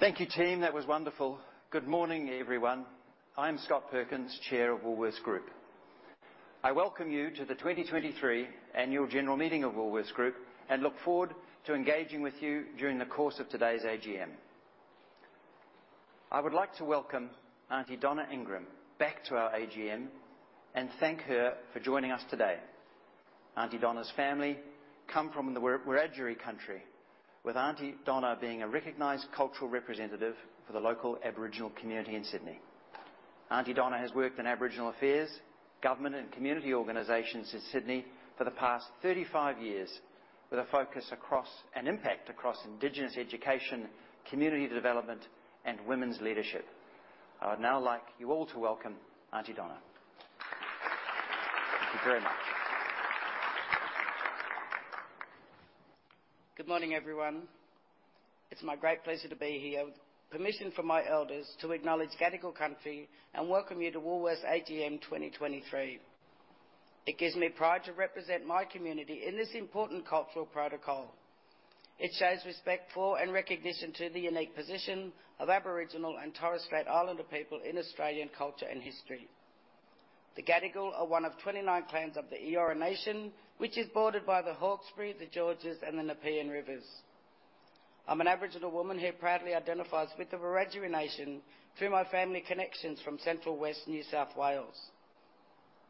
Thank you, team. That was wonderful. Good morning, everyone. I'm Scott Perkins, Chair of Woolworths Group. I welcome you to the 2023 Annual General Meeting of Woolworths Group, and look forward to engaging with you during the course of today's AGM. I would like to welcome Aunty Donna Ingram back to our AGM and thank her for joining us today. Aunty Donna's family come from the Wiradjuri country, with Aunty Donna being a recognized cultural representative for the local Aboriginal community in Sydney. Aunty Donna has worked in Aboriginal affairs, government, and community organizations in Sydney for the past 35 years, with a focus across and impact across Indigenous education, community development, and women's leadership. I would now like you all to welcome Aunty Donna. Thank you very much. Good morning, everyone. It's my great pleasure to be here with permission from my elders to acknowledge Gadigal country and welcome you to Woolworths AGM 2023. It gives me pride to represent my community in this important cultural protocol. It shows respect for and recognition to the unique position of Aboriginal and Torres Strait Islander people in Australian culture and history. The Gadigal are one of 29 clans of the Eora Nation, which is bordered by the Hawkesbury, the Georges, and the Nepean Rivers. I'm an Aboriginal woman who proudly identifies with the Wiradjuri Nation through my family connections from Central West New South Wales.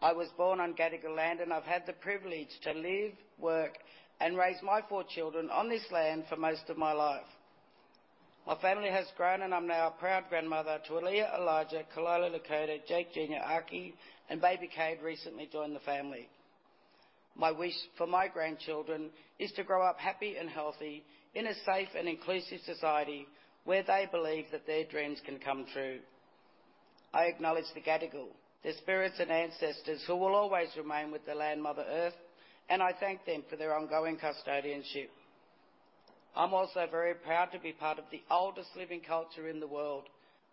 I was born on Gadigal land, and I've had the privilege to live, work, and raise my four children on this land for most of my life. My family has grown, and I'm now a proud grandmother to Aliyah, Elijah, Kalila, Lakota, Jake Jr., Archie, and baby Cade recently joined the family. My wish for my grandchildren is to grow up happy and healthy in a safe and inclusive society where they believe that their dreams can come true. I acknowledge the Gadigal, their spirits and ancestors, who will always remain with the land, Mother Earth, and I thank them for their ongoing custodianship. I'm also very proud to be part of the oldest living culture in the world,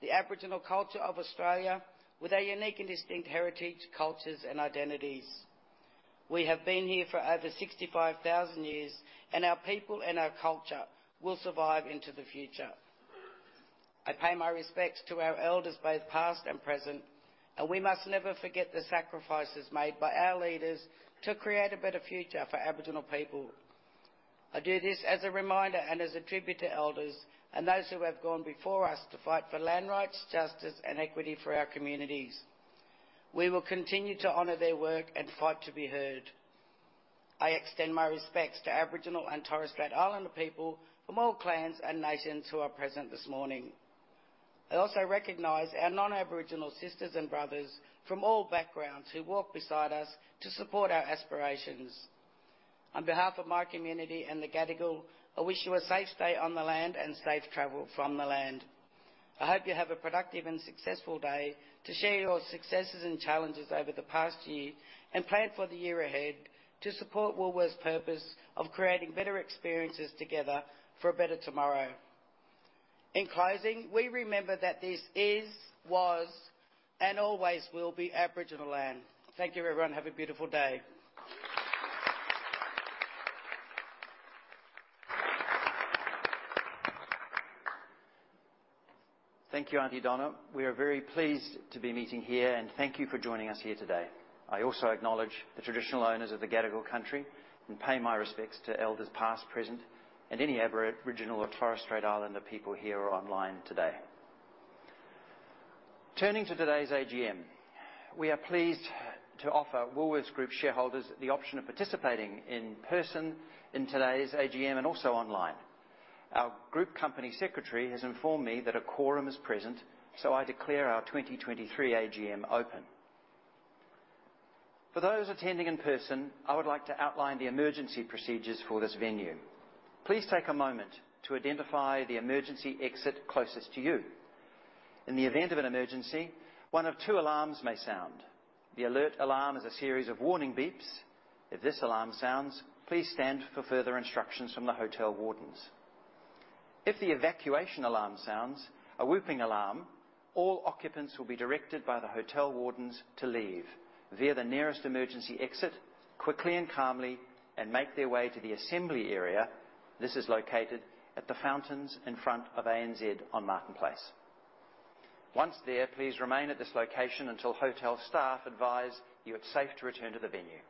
the Aboriginal culture of Australia, with our unique and distinct heritage, cultures, and identities. We have been here for over 65,000 years, and our people and our culture will survive into the future. I pay my respects to our elders, both past and present, and we must never forget the sacrifices made by our leaders to create a better future for Aboriginal people. I do this as a reminder and as a tribute to elders and those who have gone before us to fight for land rights, justice, and equity for our communities. We will continue to honor their work and fight to be heard. I extend my respects to Aboriginal and Torres Strait Islander people from all clans and nations who are present this morning. I also recognize our non-Aboriginal sisters and brothers from all backgrounds who walk beside us to support our aspirations. On behalf of my community and the Gadigal, I wish you a safe stay on the land and safe travel from the land. I hope you have a productive and successful day to share your successes and challenges over the past year and plan for the year ahead to support Woolworths purpose of creating better experiences together for a better tomorrow. In closing, we remember that this is, was, and always will be Aboriginal land. Thank you, everyone. Have a beautiful day. Thank you, Aunty Donna. We are very pleased to be meeting here, and thank you for joining us here today. I also acknowledge the traditional owners of the Gadigal country and pay my respects to elders past, present, and any Aboriginal or Torres Strait Islander people here or online today. Turning to today's AGM, we are pleased to offer Woolworths Group shareholders the option of participating in person in today's AGM and also online. Our group company secretary has informed me that a quorum is present, so I declare our 2023 AGM open. For those attending in person, I would like to outline the emergency procedures for this venue. Please take a moment to identify the emergency exit closest to you. In the event of an emergency, one of two alarms may sound. The alert alarm is a series of warning beeps. If this alarm sounds, please stand for further instructions from the hotel wardens. If the evacuation alarm sounds, a whooping alarm, all occupants will be directed by the hotel wardens to leave via the nearest emergency exit, quickly and calmly, and make their way to the assembly area. This is located at the fountains in front of ANZ on Martin Place. Once there, please remain at this location until hotel staff advise you it's safe to return to the venue.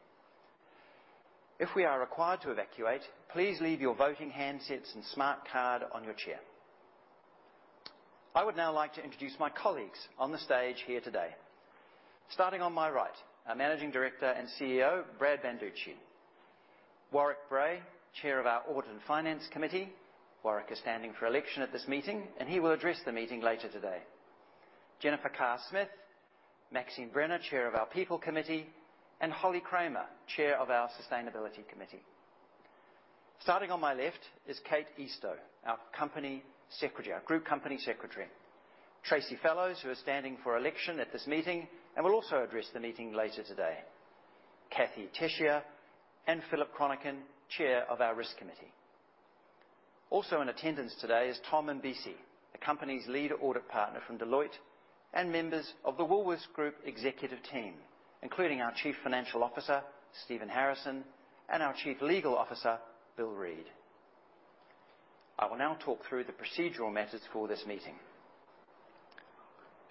If we are required to evacuate, please leave your voting handsets and smart card on your chair. I would now like to introduce my colleagues on the stage here today. Starting on my right, our Managing Director and CEO, Brad Banducci. Warwick Bray, Chair of our Audit and Finance Committee. Warwick is standing for election at this meeting, and he will address the meeting later today. Jennifer Carr-Smith, Maxine Brenner, Chair of our People Committee, and Holly Kramer, Chair of our Sustainability Committee. Starting on my left is Kate Eastoe, our Company Secretary, our Group Company Secretary. Tracey Fellows, who is standing for election at this meeting and will also address the meeting later today. Kathee Tesija and Philip Chronican, Chair of our Risk Committee.... Also in attendance today is Tom Imbesi, the company's Lead Audit Partner from Deloitte, and members of the Woolworths Group executive team, including our Chief Financial Officer, Stephen Harrison, and our Chief Legal Officer, Bill Reid. I will now talk through the procedural methods for this meeting.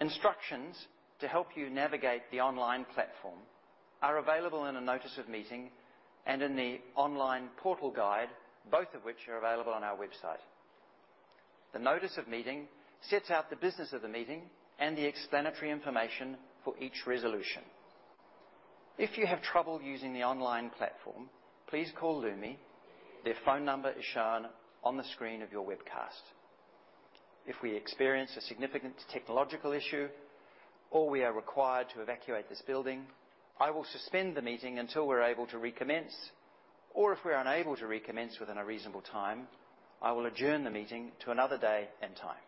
Instructions to help you navigate the online platform are available in a notice of meeting and in the online portal guide, both of which are available on our website. The notice of meeting sets out the business of the meeting and the explanatory information for each resolution. If you have trouble using the online platform, please call Lumi. Their phone number is shown on the screen of your webcast. If we experience a significant technological issue or we are required to evacuate this building, I will suspend the meeting until we're able to recommence, or if we are unable to recommence within a reasonable time, I will adjourn the meeting to another day and time.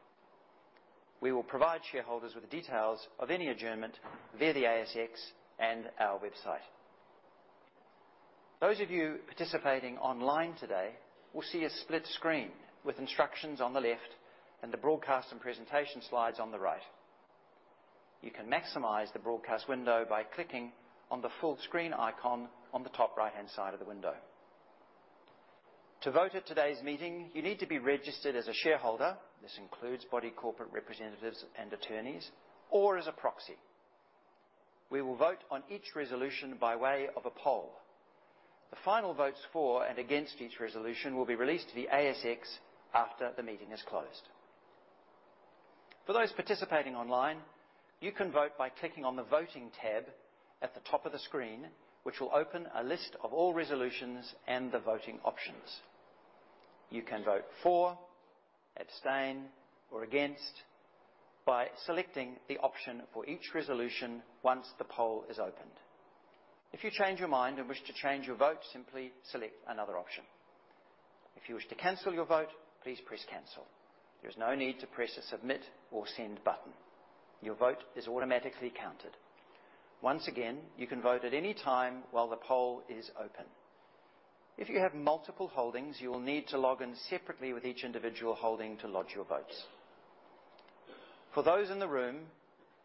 We will provide shareholders with the details of any adjournment via the ASX and our website. Those of you participating online today will see a split screen with instructions on the left and the broadcast and presentation slides on the right. You can maximize the broadcast window by clicking on the full screen icon on the top right-hand side of the window. To vote at today's meeting, you need to be registered as a shareholder. This includes body corporate representatives and attorneys or as a proxy. We will vote on each resolution by way of a poll. The final votes for and against each resolution will be released to the ASX after the meeting is closed. For those participating online, you can vote by clicking on the Voting tab at the top of the screen, which will open a list of all resolutions and the voting options. You can vote for, abstain, or against by selecting the option for each resolution once the poll is opened. If you change your mind and wish to change your vote, simply select another option. If you wish to cancel your vote, please press Cancel. There is no need to press the Submit or Send button. Your vote is automatically counted. Once again, you can vote at any time while the poll is open. If you have multiple holdings, you will need to log in separately with each individual holding to lodge your votes. For those in the room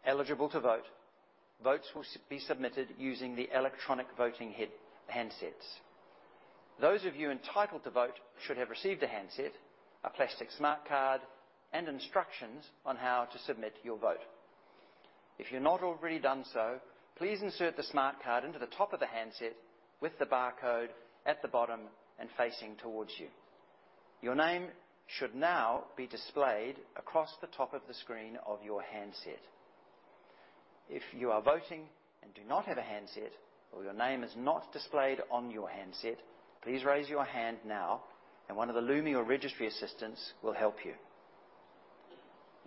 eligible to vote, votes will be submitted using the electronic voting handsets. Those of you entitled to vote should have received a handset, a plastic smart card, and instructions on how to submit your vote. If you've not already done so, please insert the smart card into the top of the handset with the barcode at the bottom and facing towards you. Your name should now be displayed across the top of the screen of your handset. If you are voting and do not have a handset, or your name is not displayed on your handset, please raise your hand now, and one of the Lumi or registry assistants will help you.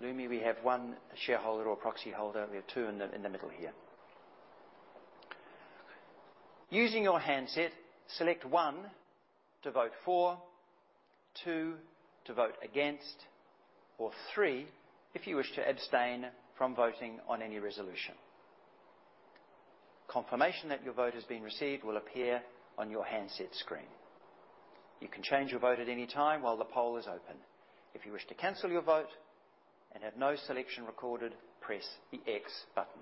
Lumi, we have one shareholder or proxy holder. We have two in the middle here. Using your handset, select one to vote for, two to vote against, or three if you wish to abstain from voting on any resolution. Confirmation that your vote has been received will appear on your handset screen. You can change your vote at any time while the poll is open. If you wish to cancel your vote and have no selection recorded, press the X button.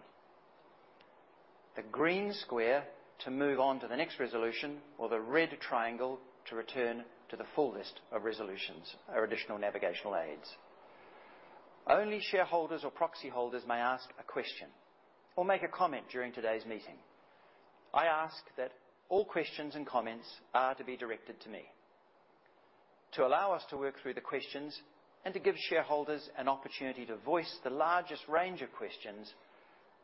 The green square to move on to the next resolution or the red triangle to return to the full list of resolutions are additional navigational aids. Only shareholders or proxy holders may ask a question or make a comment during today's meeting. I ask that all questions and comments are to be directed to me. To allow us to work through the questions and to give shareholders an opportunity to voice the largest range of questions,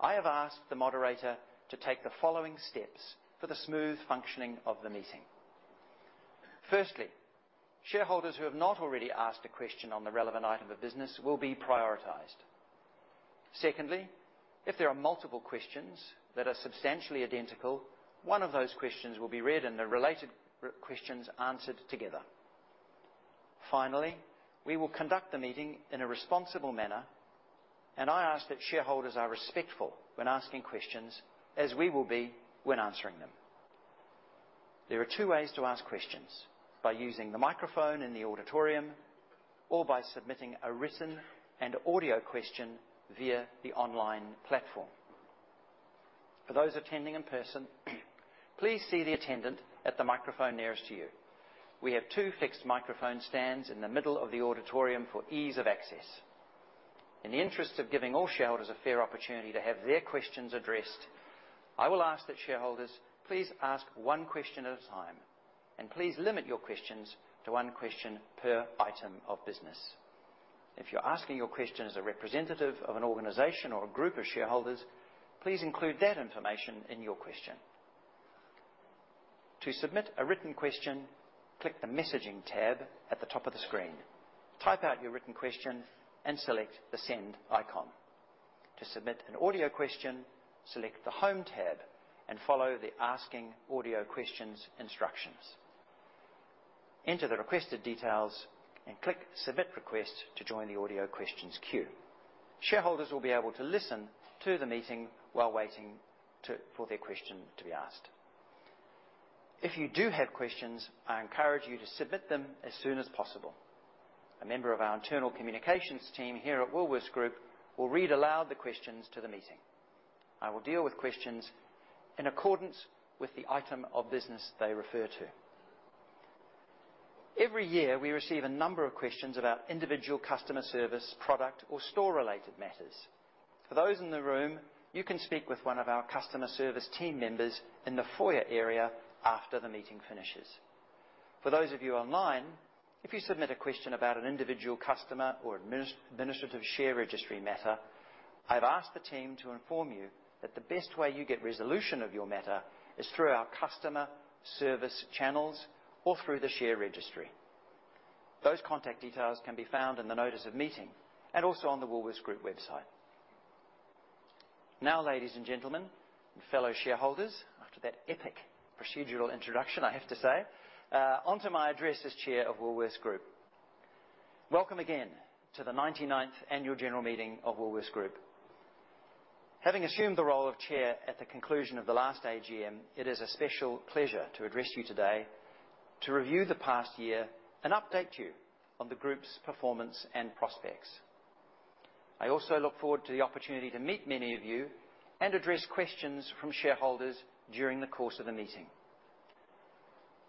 I have asked the moderator to take the following steps for the smooth functioning of the meeting. Firstly, shareholders who have not already asked a question on the relevant item of business will be prioritized. Secondly, if there are multiple questions that are substantially identical, one of those questions will be read and the related questions answered together. Finally, we will conduct the meeting in a responsible manner, and I ask that shareholders are respectful when asking questions, as we will be when answering them. There are two ways to ask questions: by using the microphone in the auditorium or by submitting a written and audio question via the online platform. For those attending in person, please see the attendant at the microphone nearest to you. We have two fixed microphone stands in the middle of the auditorium for ease of access. In the interest of giving all shareholders a fair opportunity to have their questions addressed, I will ask that shareholders please ask one question at a time, and please limit your questions to one question per item of business. If you're asking your question as a representative of an organization or a group of shareholders, please include that information in your question. To submit a written question, click the Messaging tab at the top of the screen. Type out your written question and select the Send icon. To submit an audio question, select the Home tab and follow the Asking Audio Questions instructions. Enter the requested details and click Submit Request to join the audio questions queue. Shareholders will be able to listen to the meeting while waiting for their question to be asked. If you do have questions, I encourage you to submit them as soon as possible. A member of our internal communications team here at Woolworths Group will read aloud the questions to the meeting. I will deal with questions in accordance with the item of business they refer to. Every year, we receive a number of questions about individual customer service, product, or store-related matters. For those in the room, you can speak with one of our customer service team members in the foyer area after the meeting finishes. For those of you online, if you submit a question about an individual customer or administrative share registry matter, I've asked the team to inform you that the best way you get resolution of your matter is through our customer service channels or through the share registry. Those contact details can be found in the Notice of Meeting, and also on the Woolworths Group website. Now, ladies and gentlemen, and fellow shareholders, after that epic procedural introduction, I have to say, on to my address as Chair of Woolworths Group. Welcome again to the ninety-ninth annual general meeting of Woolworths Group. Having assumed the role of Chair at the conclusion of the last AGM, it is a special pleasure to address you today to review the past year and update you on the group's performance and prospects. I also look forward to the opportunity to meet many of you and address questions from shareholders during the course of the meeting.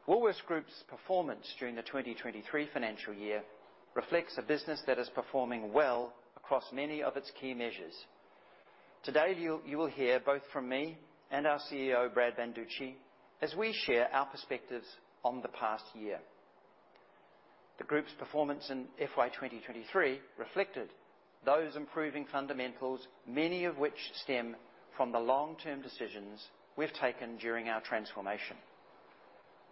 Woolworths Group's performance during the 2023 financial year reflects a business that is performing well across many of its key measures. Today, you will hear both from me and our CEO, Brad Banducci, as we share our perspectives on the past year. The group's performance in FY 2023 reflected those improving fundamentals, many of which stem from the long-term decisions we've taken during our transformation.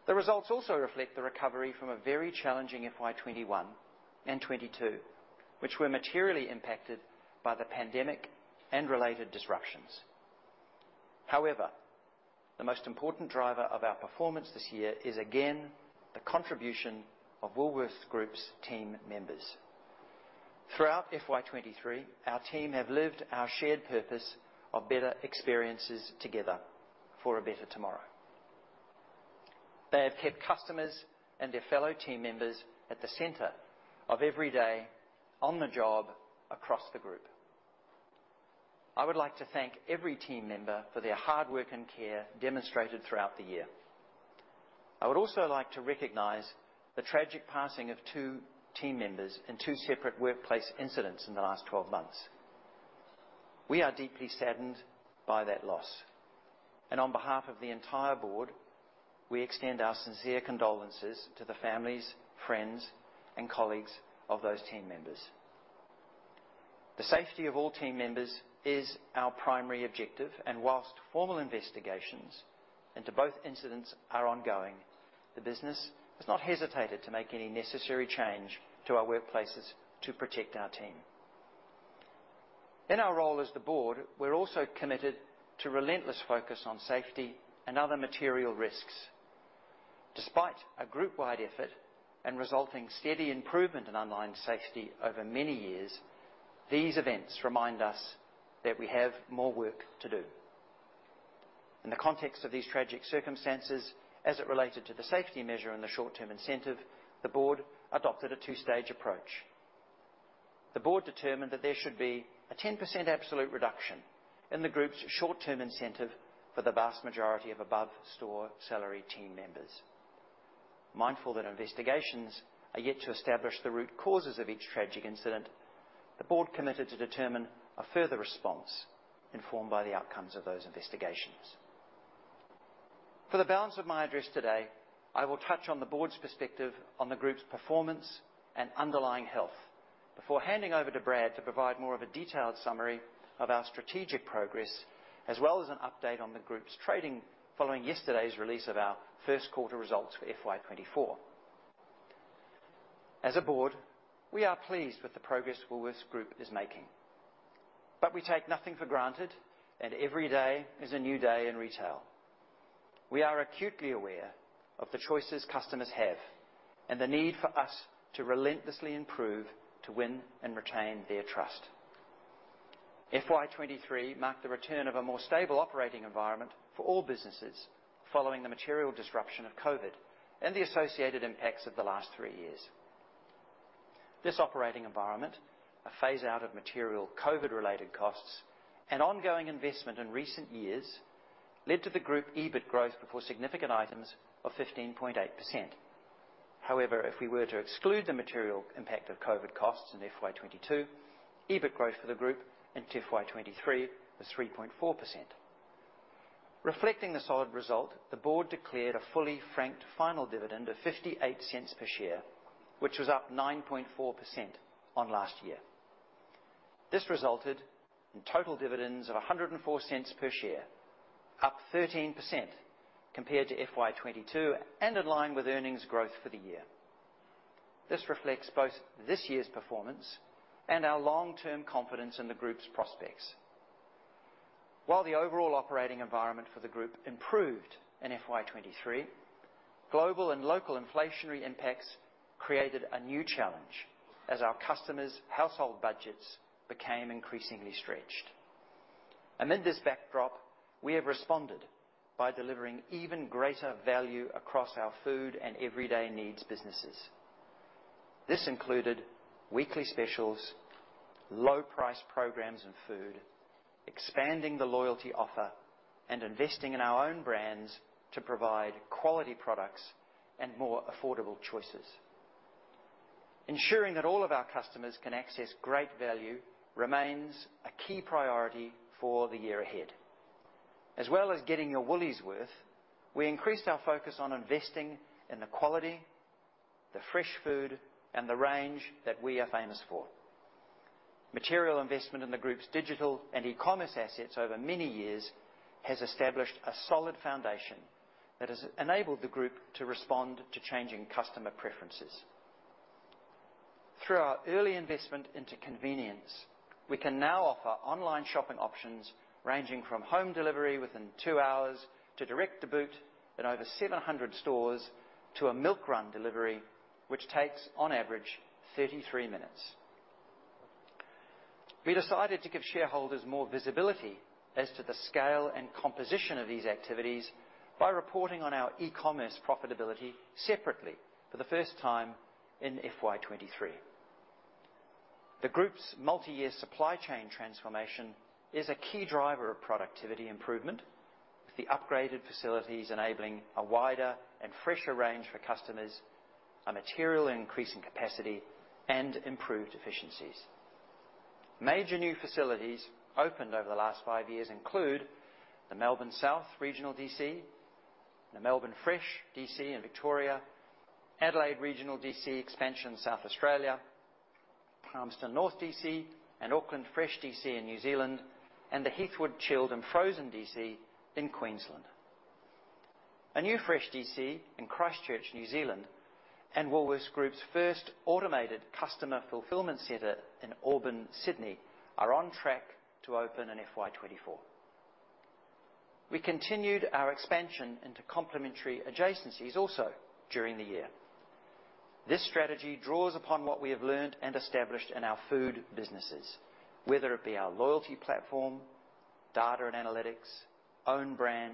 The results also reflect the recovery from a very challenging FY 2021 and 2022, which were materially impacted by the pandemic and related disruptions. However, the most important driver of our performance this year is, again, the contribution of Woolworths Group's team members. Throughout FY 2023, our team have lived our shared purpose of better experiences together for a better tomorrow. They have kept customers and their fellow team members at the center of every day on the job across the group. I would like to thank every team member for their hard work and care demonstrated throughout the year. I would also like to recognize the tragic passing of two team members in two separate workplace incidents in the last 12 months. We are deeply saddened by that loss, and on behalf of the entire board, we extend our sincere condolences to the families, friends, and colleagues of those team members. The safety of all team members is our primary objective, and while formal investigations into both incidents are ongoing, the business has not hesitated to make any necessary change to our workplaces to protect our team. In our role as the board, we're also committed to relentless focus on safety and other material risks. Despite a group-wide effort and resulting steady improvement in online safety over many years, these events remind us that we have more work to do. In the context of these tragic circumstances, as it related to the safety measure and the short-term incentive, the board adopted a two-stage approach. The board determined that there should be a 10% absolute reduction in the group's short-term incentive for the vast majority of above-store salaried team members. Mindful that investigations are yet to establish the root causes of each tragic incident, the board committed to determine a further response informed by the outcomes of those investigations. For the balance of my address today, I will touch on the board's perspective on the group's performance and underlying health before handing over to Brad to provide more of a detailed summary of our strategic progress, as well as an update on the group's trading following yesterday's release of our first quarter results for FY 2024. As a board, we are pleased with the progress Woolworths Group is making, but we take nothing for granted, and every day is a new day in retail. We are acutely aware of the choices customers have and the need for us to relentlessly improve to win and retain their trust. FY 2023 marked the return of a more stable operating environment for all businesses following the material disruption of COVID and the associated impacts of the last three years. This operating environment, a phase-out of material COVID-related costs, and ongoing investment in recent years led to the group EBIT growth before significant items of 15.8%. However, if we were to exclude the material impact of COVID costs in FY 2022, EBIT growth for the group in FY 2023 was 3.4%. Reflecting the solid result, the board declared a fully franked final dividend of 0.58 per share, which was up 9.4% on last year. This resulted in total dividends of 1.04 per share, up 13% compared to FY 2022 and in line with earnings growth for the year. This reflects both this year's performance and our long-term confidence in the group's prospects. While the overall operating environment for the group improved in FY 2023-... Global and local inflationary impacts created a new challenge as our customers' household budgets became increasingly stretched. Amid this backdrop, we have responded by delivering even greater value across our food and everyday needs businesses. This included weekly specials, low price programs and food, expanding the loyalty offer, and investing in our own brands to provide quality products and more affordable choices. Ensuring that all of our customers can access great value remains a key priority for the year ahead. As well as getting your Woolies worth, we increased our focus on investing in the quality, the fresh food, and the range that we are famous for. Material investment in the group's digital and e-commerce assets over many years has established a solid foundation that has enabled the group to respond to changing customer preferences. Through our early investment into convenience, we can now offer online shopping options ranging from home delivery within 2 hours to direct to boot in over 700 stores to a MILKRUN delivery, which takes on average 33 minutes. We decided to give shareholders more visibility as to the scale and composition of these activities by reporting on our e-commerce profitability separately for the first time in FY 2023. The group's multi-year supply chain transformation is a key driver of productivity improvement, with the upgraded facilities enabling a wider and fresher range for customers, a material increase in capacity and improved efficiencies. Major new facilities opened over the last 5 years include the Melbourne South Regional DC, the Melbourne Fresh DC in Victoria, Adelaide Regional DC expansion in South Australia, Palmerston North DC, and Auckland Fresh DC in New Zealand, and the Heathwood Chilled and Frozen DC in Queensland. A new fresh DC in Christchurch, New Zealand, and Woolworths Group's first automated customer fulfillment center in Auburn, Sydney, are on track to open in FY 2024. We continued our expansion into complementary adjacencies also during the year. This strategy draws upon what we have learned and established in our food businesses, whether it be our loyalty platform, data and analytics, own brand,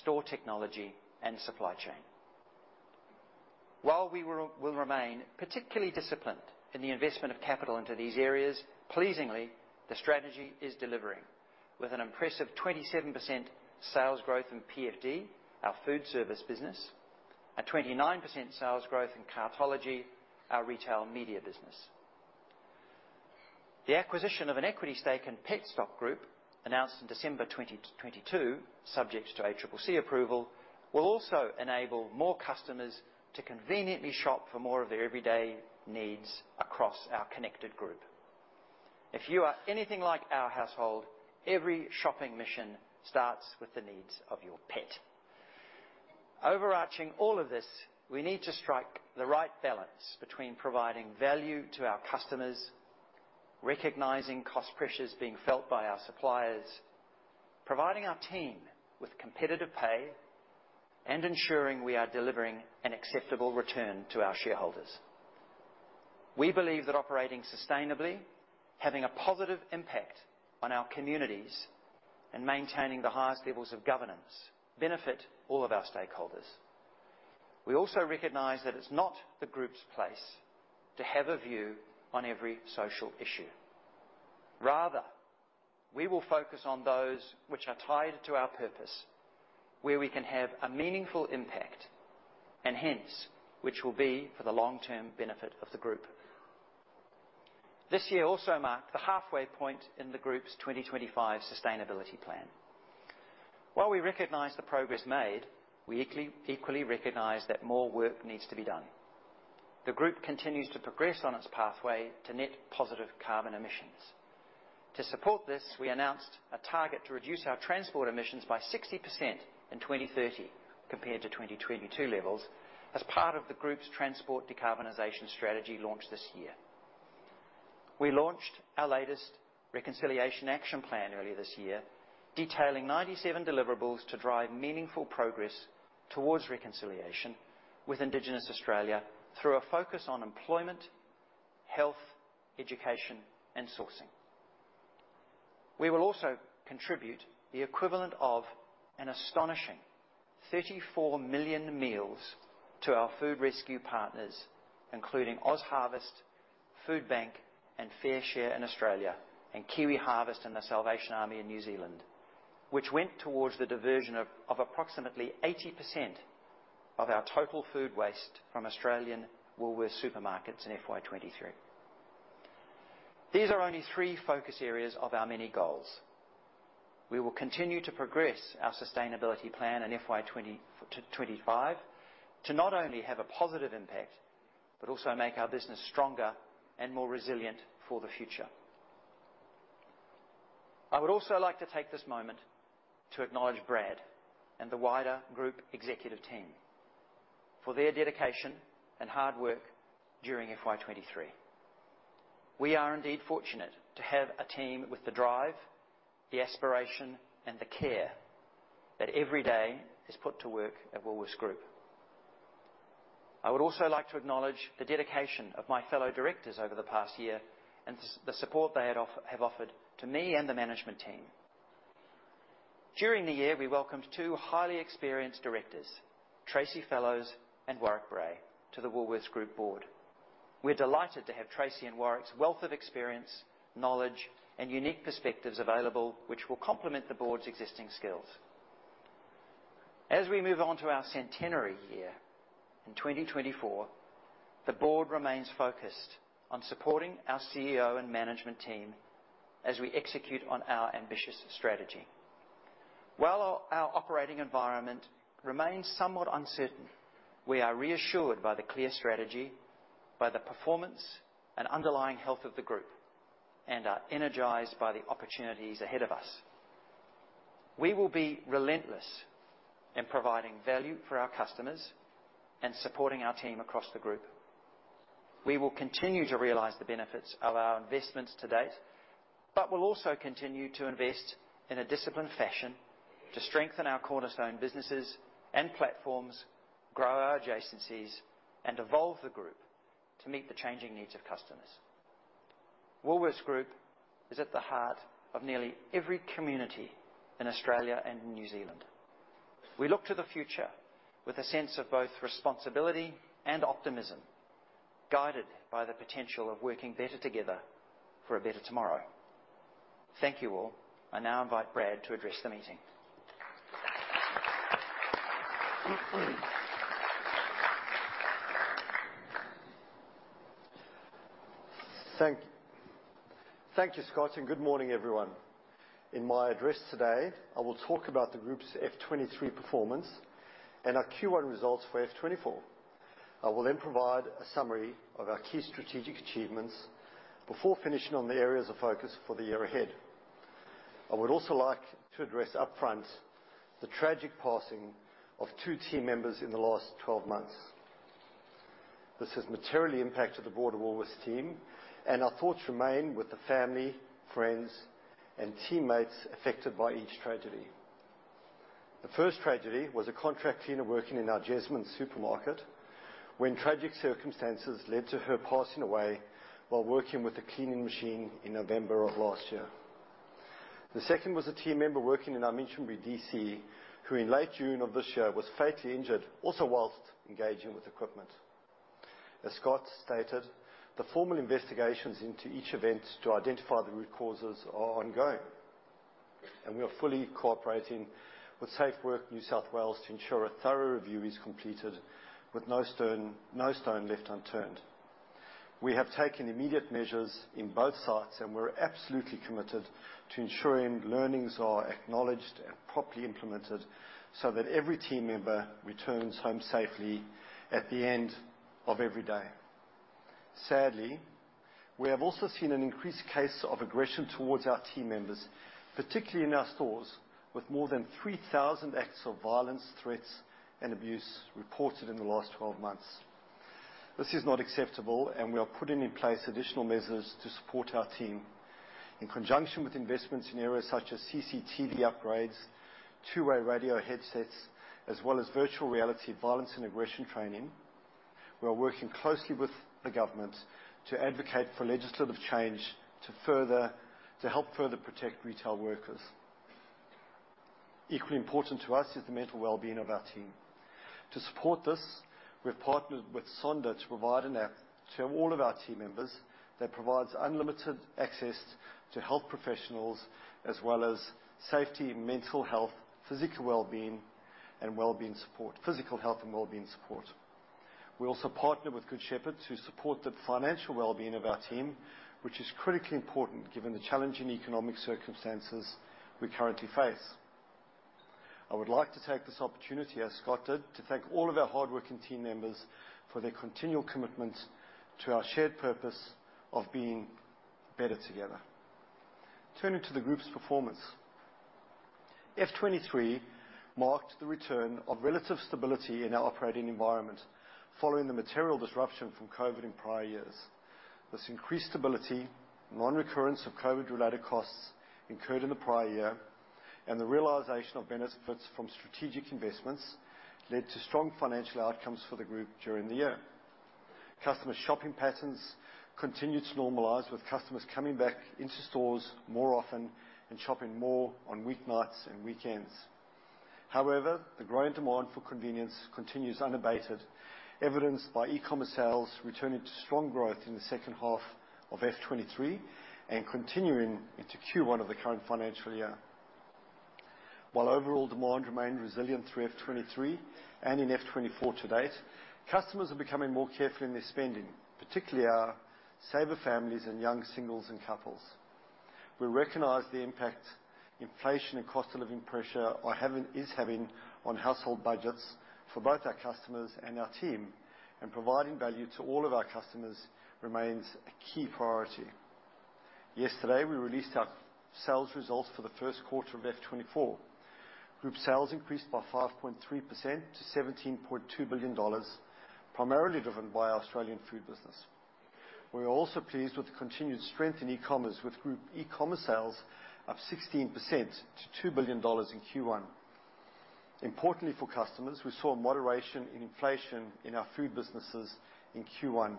store technology, and supply chain. While we will, will remain particularly disciplined in the investment of capital into these areas, pleasingly, the strategy is delivering with an impressive 27% sales growth in PFD, our food service business, a 29% sales growth in Cartology, our retail media business. The acquisition of an equity stake in Petstock Group, announced in December 2022, subject to ACCC approval, will also enable more customers to conveniently shop for more of their everyday needs across our connected group. If you are anything like our household, every shopping mission starts with the needs of your pet. Overarching all of this, we need to strike the right balance between providing value to our customers, recognizing cost pressures being felt by our suppliers, providing our team with competitive pay, and ensuring we are delivering an acceptable return to our shareholders. We believe that operating sustainably, having a positive impact on our communities, and maintaining the highest levels of governance benefit all of our stakeholders. We also recognize that it's not the Group's place to have a view on every social issue. Rather, we will focus on those which are tied to our purpose, where we can have a meaningful impact, and hence, which will be for the long-term benefit of the group. This year also marked the halfway point in the Group's 2025 sustainability plan. While we recognize the progress made, we equally recognize that more work needs to be done. The group continues to progress on its pathway to net positive carbon emissions. To support this, we announced a target to reduce our transport emissions by 60% in 2030 compared to 2022 levels as part of the group's transport decarbonization strategy launched this year. We launched our latest reconciliation action plan earlier this year, detailing 97 deliverables to drive meaningful progress towards reconciliation with Indigenous Australia through a focus on employment, health, education, and sourcing. We will also contribute the equivalent of an astonishing 34 million meals to our food rescue partners, including OzHarvest, Foodbank, and FareShare in Australia, and KiwiHarvest and the Salvation Army in New Zealand, which went towards the diversion of approximately 80% of our total food waste from Australian Woolworths supermarkets in FY 2023. These are only three focus areas of our many goals. We will continue to progress our sustainability plan in FY 2020 to 2025, to not only have a positive impact, but also make our business stronger and more resilient for the future. I would also like to take this moment to acknowledge Brad and the wider group executive team for their dedication and hard work during FY 2023. We are indeed fortunate to have a team with the drive, the aspiration, and the care that every day is put to work at Woolworths Group. I would also like to acknowledge the dedication of my fellow directors over the past year, and the support they have offered to me and the management team. During the year, we welcomed two highly experienced directors, Tracey Fellows and Warwick Bray, to the Woolworths Group board. We're delighted to have Tracey and Warwick's wealth of experience, knowledge, and unique perspectives available, which will complement the board's existing skills. As we move on to our centenary year, in 2024, the board remains focused on supporting our CEO and management team as we execute on our ambitious strategy. While our operating environment remains somewhat uncertain, we are reassured by the clear strategy, by the performance and underlying health of the group, and are energized by the opportunities ahead of us. We will be relentless in providing value for our customers and supporting our team across the Group. We will continue to realize the benefits of our investments to date, but we'll also continue to invest in a disciplined fashion to strengthen our cornerstone businesses and platforms, grow our adjacencies, and evolve the group to meet the changing needs of customers. Woolworths Group is at the heart of nearly every community in Australia and New Zealand. We look to the future with a sense of both responsibility and optimism, guided by the potential of working better together for a better tomorrow. Thank you all. I now invite Brad to address the meeting. Thank you, Scott, and good morning, everyone. In my address today, I will talk about the Group's F 2023 performance and our Q1 results for F 2024. I will then provide a summary of our key strategic achievements before finishing on the areas of focus for the year ahead. I would also like to address upfront the tragic passing of two team members in the last 12 months. This has materially impacted the board and Woolworths team, and our thoughts remain with the family, friends, and teammates affected by each tragedy. The first tragedy was a contract cleaner working in our Jesmond supermarket, when tragic circumstances led to her passing away while working with a cleaning machine in November of last year. The second was a team member working in our Minchinbury DC, who in late June of this year was fatally injured, also while engaging with equipment. As Scott stated, the formal investigations into each event to identify the root causes are ongoing, and we are fully cooperating with SafeWork New South Wales to ensure a thorough review is completed with no stone, no stone left unturned. We have taken immediate measures in both sites, and we're absolutely committed to ensuring learnings are acknowledged and properly implemented, so that every team member returns home safely at the end of every day. Sadly, we have also seen an increased case of aggression towards our team members, particularly in our stores, with more than 3,000 acts of violence, threats, and abuse reported in the last 12 months. This is not acceptable, and we are putting in place additional measures to support our team. In conjunction with investments in areas such as CCTV upgrades, two-way radio headsets, as well as virtual reality violence and aggression training, we are working closely with the government to advocate for legislative change to help further protect retail workers. Equally important to us is the mental well-being of our team. To support this, we've partnered with Sonder to provide an app to all of our team members that provides unlimited access to health professionals, as well as safety, mental health, physical health, and well-being support. We also partnered with Good Shepherd to support the financial well-being of our team, which is critically important given the challenging economic circumstances we currently face. I would like to take this opportunity, as Scott did, to thank all of our hardworking team members for their continual commitment to our shared purpose of being better together. Turning to the Group's performance. FY 2023 marked the return of relative stability in our operating environment following the material disruption from COVID in prior years. This increased stability, non-recurrence of COVID-related costs incurred in the prior year, and the realization of benefits from strategic investments, led to strong financial outcomes for the Group during the year. Customer shopping patterns continued to normalize, with customers coming back into stores more often and shopping more on weeknights and weekends. However, the growing demand for convenience continues unabated, evidenced by e-commerce sales returning to strong growth in the second half of FY 2023 and continuing into Q1 of the current financial year. While overall demand remained resilient through FY 2023 and in FY 2024 to date, customers are becoming more careful in their spending, particularly our saver families and young singles and couples. We recognize the impact inflation and cost of living pressure is having on household budgets for both our customers and our team, and providing value to all of our customers remains a key priority. Yesterday, we released our sales results for the first quarter of FY 2024. Group sales increased by 5.3% to $17.2 billion, primarily driven by our Australian food business. We are also pleased with the continued strength in e-commerce, with group e-commerce sales up 16% to $2 billion in Q1. Importantly for customers, we saw a moderation in inflation in our food businesses in Q1.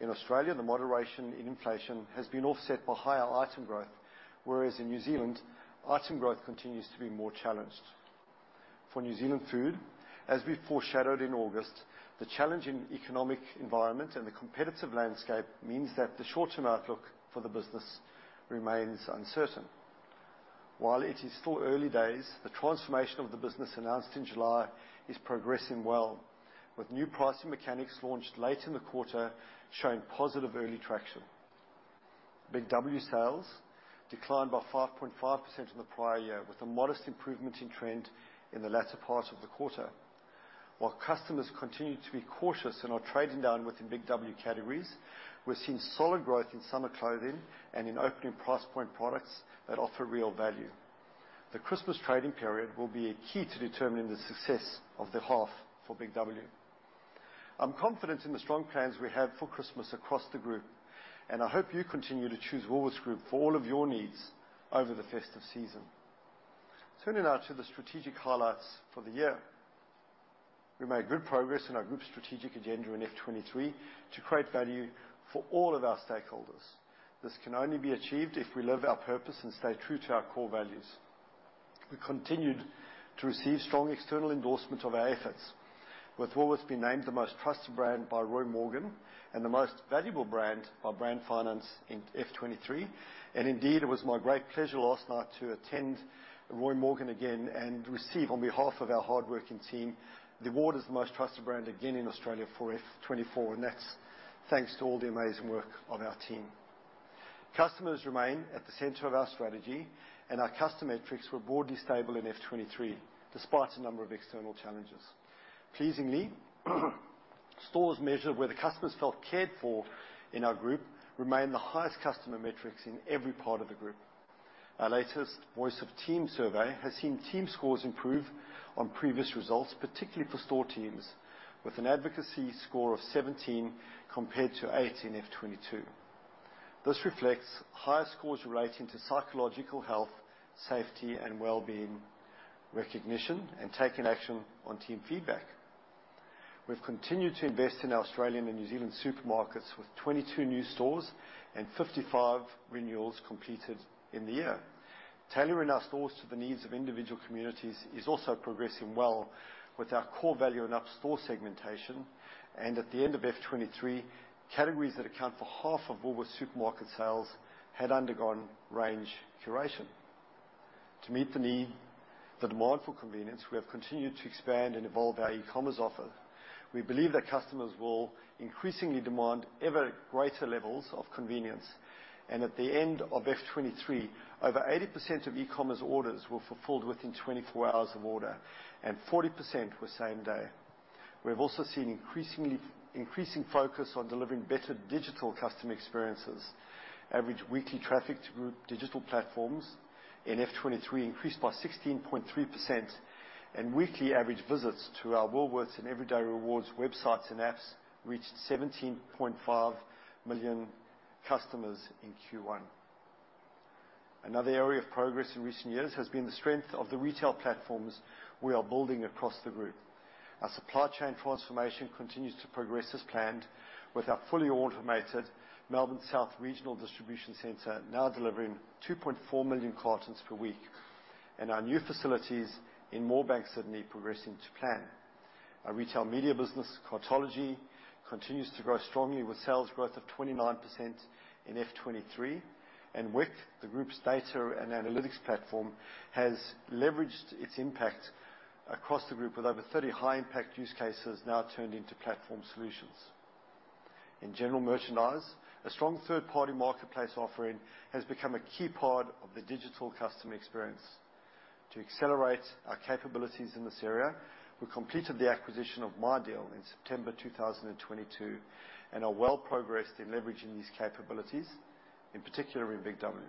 In Australia, the moderation in inflation has been offset by higher item growth, whereas in New Zealand, item growth continues to be more challenged. For New Zealand Food, as we foreshadowed in August, the challenging economic environment and the competitive landscape means that the short-term outlook for the business remains uncertain. While it is still early days, the transformation of the business announced in July is progressing well, with new pricing mechanics launched late in the quarter showing positive early traction. Big W sales declined by 5.5% in the prior year, with a modest improvement in trend in the latter part of the quarter. While customers continue to be cautious and are trading down within Big W categories, we're seeing solid growth in summer clothing and in opening price point products that offer real value. The Christmas trading period will be a key to determining the success of the half for Big W. I'm confident in the strong plans we have for Christmas across the group, and I hope you continue to choose Woolworths Group for all of your needs over the festive season. Turning now to the strategic highlights for the year. We made good progress in our group's strategic agenda in FY2023 to create value for all of our stakeholders. This can only be achieved if we live our purpose and stay true to our core values. We continued to receive strong external endorsement of our efforts, with Woolworths being named the Most Trusted Brand by Roy Morgan and the Most Valuable Brand by Brand Finance in FY2023. Indeed, it was my great pleasure last night to attend Roy Morgan again and receive, on behalf of our hardworking team, the award as the Most Trusted Brand again in Australia for FY 2024, and that's thanks to all the amazing work of our team. Customers remain at the center of our strategy, and our customer metrics were broadly stable in FY 2023, despite a number of external challenges. Pleasingly, stores measured where the customers felt cared for in our group remained the highest customer metrics in every part of the group. Our latest Voice of Team survey has seen team scores improve on previous results, particularly for store teams, with an advocacy score of 17 compared to eight in FY 2022. This reflects higher scores relating to psychological health, safety, and well-being, recognition, and taking action on team feedback. We've continued to invest in Australian and New Zealand supermarkets, with 22 new stores and 55 renewals completed in the year. Tailoring our stores to the needs of individual communities is also progressing well, with our core value and up store segmentation, and at the end of FY 2023, categories that account for half of Woolworths supermarket sales had undergone range curation. To meet the need, the demand for convenience, we have continued to expand and evolve our e-commerce offer. We believe that customers will increasingly demand ever greater levels of convenience, and at the end of FY 2023, over 80% of e-commerce orders were fulfilled within 24 hours of order, and 40% were same day. We've also seen increasingly, increasing focus on delivering better digital customer experiences. Average weekly traffic to group digital platforms in FY 2023 increased by 16.3%, and weekly average visits to our Woolworths and Everyday Rewards websites and apps reached 17.5 million customers in Q1. Another area of progress in recent years has been the strength of the retail platforms we are building across the group. Our supply chain transformation continues to progress as planned, with our fully automated Melbourne South Regional Distribution Center now delivering 2.4 million cartons per week, and our new facilities in Moorebank, Sydney, progressing to plan. Our retail media business, Cartology, continues to grow strongly, with sales growth of 29% in FY23, and Wiq, the group's data and analytics platform, has leveraged its impact across the group, with over 30 high-impact use cases now turned into platform solutions. In general merchandise, a strong third-party marketplace offering has become a key part of the digital customer experience. To accelerate our capabilities in this area, we completed the acquisition of MyDeal in September 2022, and are well progressed in leveraging these capabilities, in particular in Big W.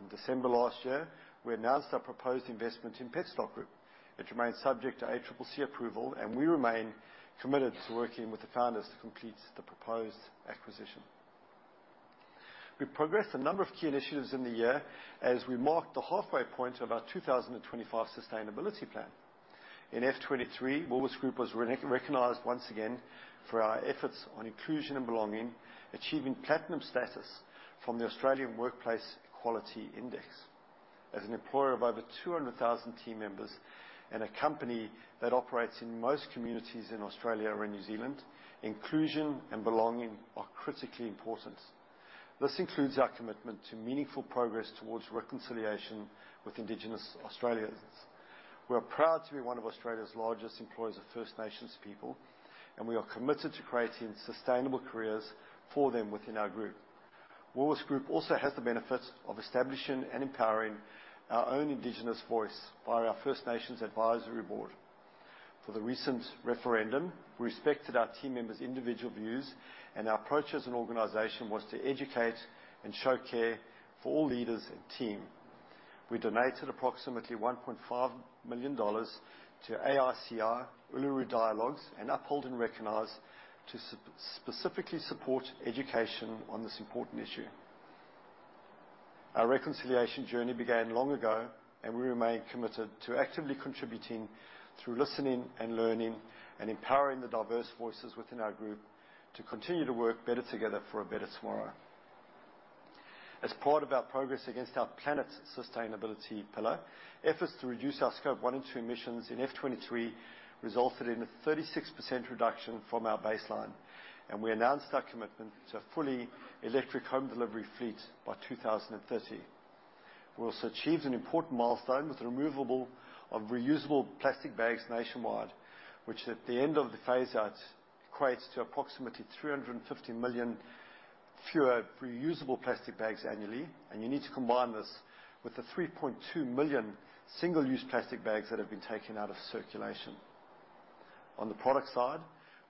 In December last year, we announced our proposed investment in Petstock Group. It remains subject to ACCC approval, and we remain committed to working with the founders to complete the proposed acquisition. We've progressed a number of key initiatives in the year as we marked the halfway point of our 2025 sustainability plan. In FY 2023, Woolworths Group was recognized once again for our efforts on inclusion and belonging, achieving platinum status from the Australian Workplace Equality Index. As an employer of over 200,000 team members and a company that operates in most communities in Australia and New Zealand, inclusion and belonging are critically important. This includes our commitment to meaningful progress towards reconciliation with Indigenous Australians. We are proud to be one of Australia's largest employers of First Nations people, and we are committed to creating sustainable careers for them within our group. Woolworths Group also has the benefit of establishing and empowering our own Indigenous voice by our First Nations Advisory Board. For the recent referendum, we respected our team members' individual views, and our approach as an organization was to educate and show care for all leaders and team. We donated approximately $1.5 million to AICI, Uluru Dialogues, and Uphold & Recognise to specifically support education on this important issue. Our reconciliation journey began long ago, and we remain committed to actively contributing through listening and learning and empowering the diverse voices within our group to continue to work better together for a better tomorrow. As part of our progress against our planet's sustainability pillar, efforts to reduce our Scope one and two emissions in FY 2023 resulted in a 36% reduction from our baseline, and we announced our commitment to a fully electric home delivery fleet by 2030. We also achieved an important milestone with the removal of reusable plastic bags nationwide, which, at the end of the phase-out, equates to approximately 350 million fewer reusable plastic bags annually, and you need to combine this with the 3.2 million single-use plastic bags that have been taken out of circulation. On the product side,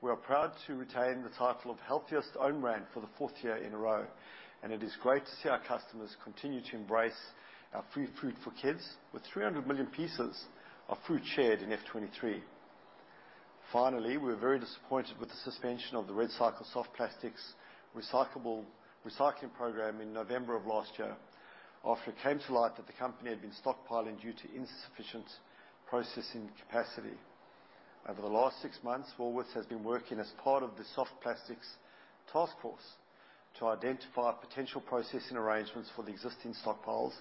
we are proud to retain the title of Healthiest Own Brand for the fourth year in a row, and it is great to see our customers continue to embrace our free fruit for kids, with 300 million pieces of fruit shared in FY 2023. Finally, we're very disappointed with the suspension of the REDcycle soft plastics recycling program in November of last year after it came to light that the company had been stockpiling due to insufficient processing capacity. Over the last six months, Woolworths has been working as part of the soft plastics task force to identify potential processing arrangements for the existing stockpiles,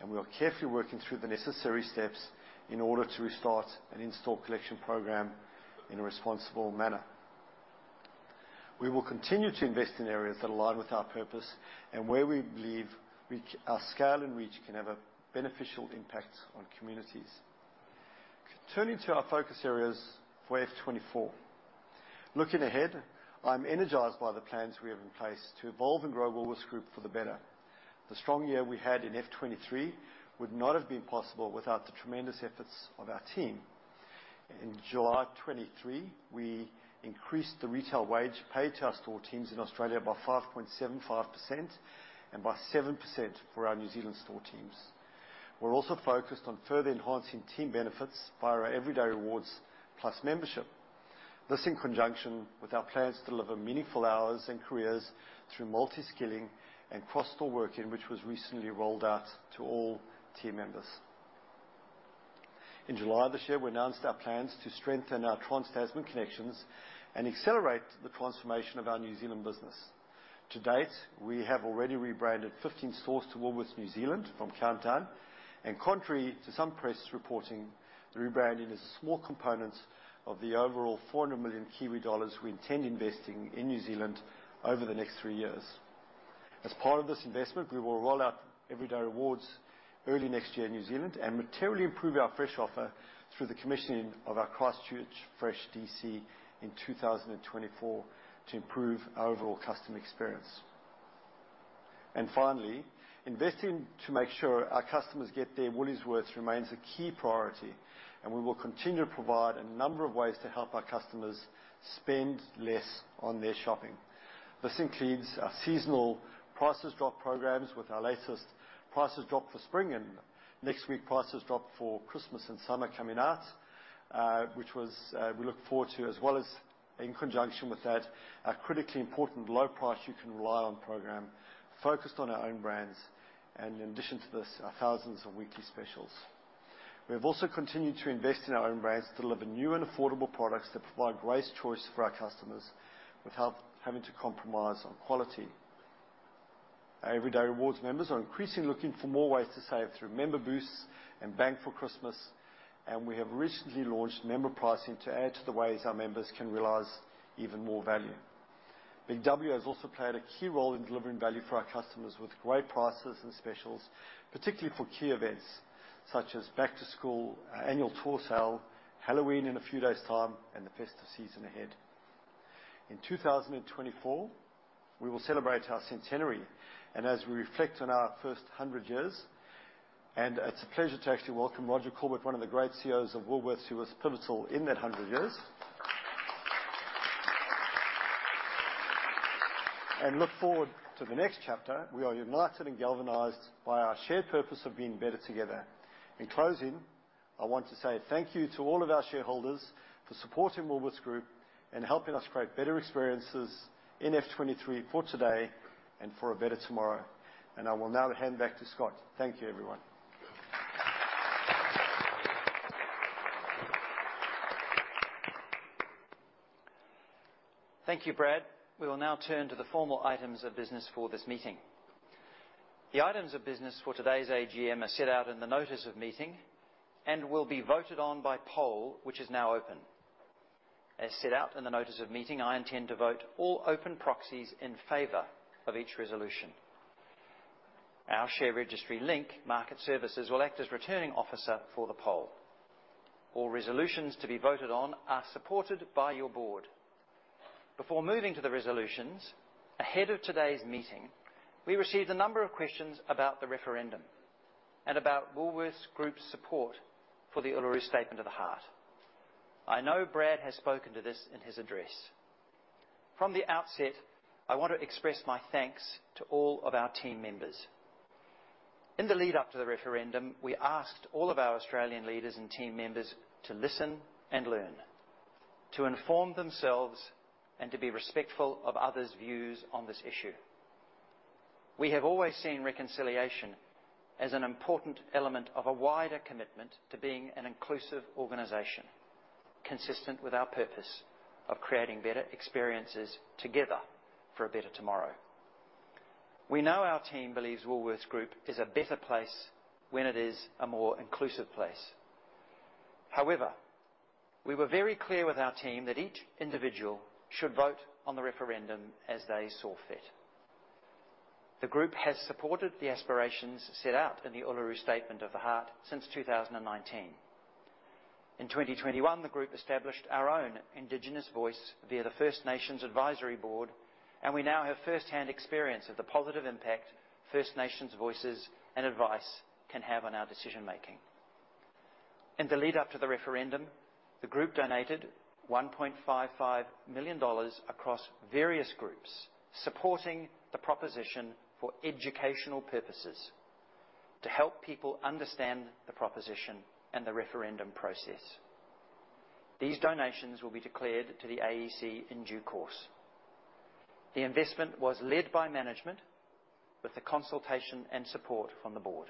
and we are carefully working through the necessary steps in order to restart an in-store collection program in a responsible manner. We will continue to invest in areas that align with our purpose and where we believe our scale and reach can have a beneficial impact on communities. Turning to our focus areas for FY 2024. Looking ahead, I'm energized by the plans we have in place to evolve and grow Woolworths Group for the better. The strong year we had in FY 2023 would not have been possible without the tremendous efforts of our team. In July 2023, we increased the retail wage paid to our store teams in Australia by 5.75% and by 7% for our New Zealand store teams. We're also focused on further enhancing team benefits via our Everyday Rewards Plus membership. This, in conjunction with our plans to deliver meaningful hours and careers through multi-skilling and cross-store working, which was recently rolled out to all team members. In July of this year, we announced our plans to strengthen our trans-Tasman connections and accelerate the transformation of our New Zealand business. To date, we have already rebranded 15 stores to Woolworths New Zealand from Countdown, and contrary to some press reporting, the rebranding is a small component of the overall 400 million Kiwi dollars we intend investing in New Zealand over the next three years. As part of this investment, we will roll out Everyday Rewards early next year in New Zealand and materially improve our fresh offer through the commissioning of our Christchurch Fresh DC in 2024 to improve our overall customer experience. And finally, investing to make sure our customers get their Woolies worth remains a key priority, and we will continue to provide a number of ways to help our customers spend less on their shopping. This includes our seasonal Prices Dropped programs with our latest Prices Dropped for spring and next week, Prices Dropped for Christmas and summer coming out, which was, we look forward to, as well as in conjunction with that, a critically important Low Price you can rely on program focused on our own brands and in addition to this, our thousands of weekly specials. We have also continued to invest in our own brands to deliver new and affordable products that provide great choice for our customers without having to compromise on quality. Our Everyday Rewards members are increasingly looking for more ways to save through member boosts and boost for Christmas, and we have recently launched member pricing to add to the ways our members can realize even more value. Big W has also played a key role in delivering value for our customers, with great prices and specials, particularly for key events such as Back to School, our annual Toy Sale, Halloween in a few days' time, and the festive season ahead. In 2024, we will celebrate our centenary, and as we reflect on our first 100 years, and it's a pleasure to actually welcome Roger Corbett, one of the great CEOs of Woolworths, who was pivotal in that 100 years. We look forward to the next chapter. We are united and galvanized by our shared purpose of being better together. In closing, I want to say thank you to all of our shareholders for supporting Woolworths Group and helping us create better experiences in FY 2023 for today and for a better tomorrow. And I will now hand back to Scott. Thank you, everyone. Thank you, Brad. We will now turn to the formal items of business for this meeting. The items of business for today's AGM are set out in the notice of meeting and will be voted on by poll, which is now open. As set out in the notice of meeting, I intend to vote all open proxies in favor of each resolution. Our share registry, Link Market Services, will act as Returning Officer for the poll. All resolutions to be voted on are supported by your board. Before moving to the resolutions, ahead of today's meeting, we received a number of questions about the referendum and about Woolworths Group's support for the Uluru Statement of the Heart. I know Brad has spoken to this in his address. From the outset, I want to express my thanks to all of our team members. In the lead up to the referendum, we asked all of our Australian leaders and team members to listen and learn, to inform themselves, and to be respectful of others' views on this issue. We have always seen reconciliation as an important element of a wider commitment to being an inclusive organization, consistent with our purpose of creating better experiences together for a better tomorrow. We know our team believes Woolworths Group is a better place when it is a more inclusive place. However, we were very clear with our team that each individual should vote on the referendum as they saw fit. The group has supported the aspirations set out in the Uluru Statement of the Heart since 2019. In 2021, the group established our own Indigenous voice via the First Nations Advisory Board, and we now have first-hand experience of the positive impact First Nations voices and advice can have on our decision-making. In the lead up to the referendum, the group donated $1.55 million across various groups, supporting the proposition for educational purposes to help people understand the proposition and the referendum process. These donations will be declared to the AEC in due course. The investment was led by management with the consultation and support from the board.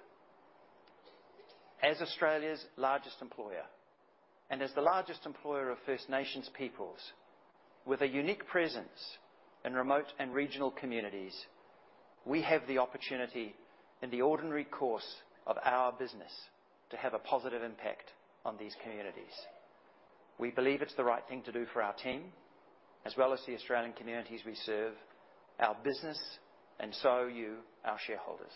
As Australia's largest employer and as the largest employer of First Nations peoples, with a unique presence in remote and regional communities, we have the opportunity in the ordinary course of our business to have a positive impact on these communities. We believe it's the right thing to do for our team, as well as the Australian communities we serve, our business, and so you, our shareholders.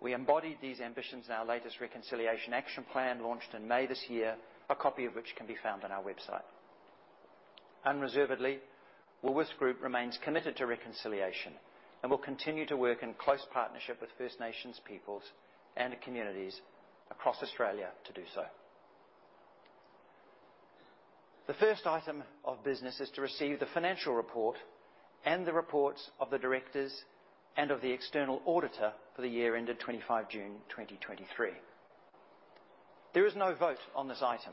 We embodied these ambitions in our latest Reconciliation Action Plan, launched in May this year, a copy of which can be found on our website. Unreservedly, Woolworths Group remains committed to reconciliation and will continue to work in close partnership with First Nations peoples and the communities across Australia to do so. The first item of business is to receive the financial report and the reports of the directors and of the external auditor for the year ended June 25, 2023. There is no vote on this item.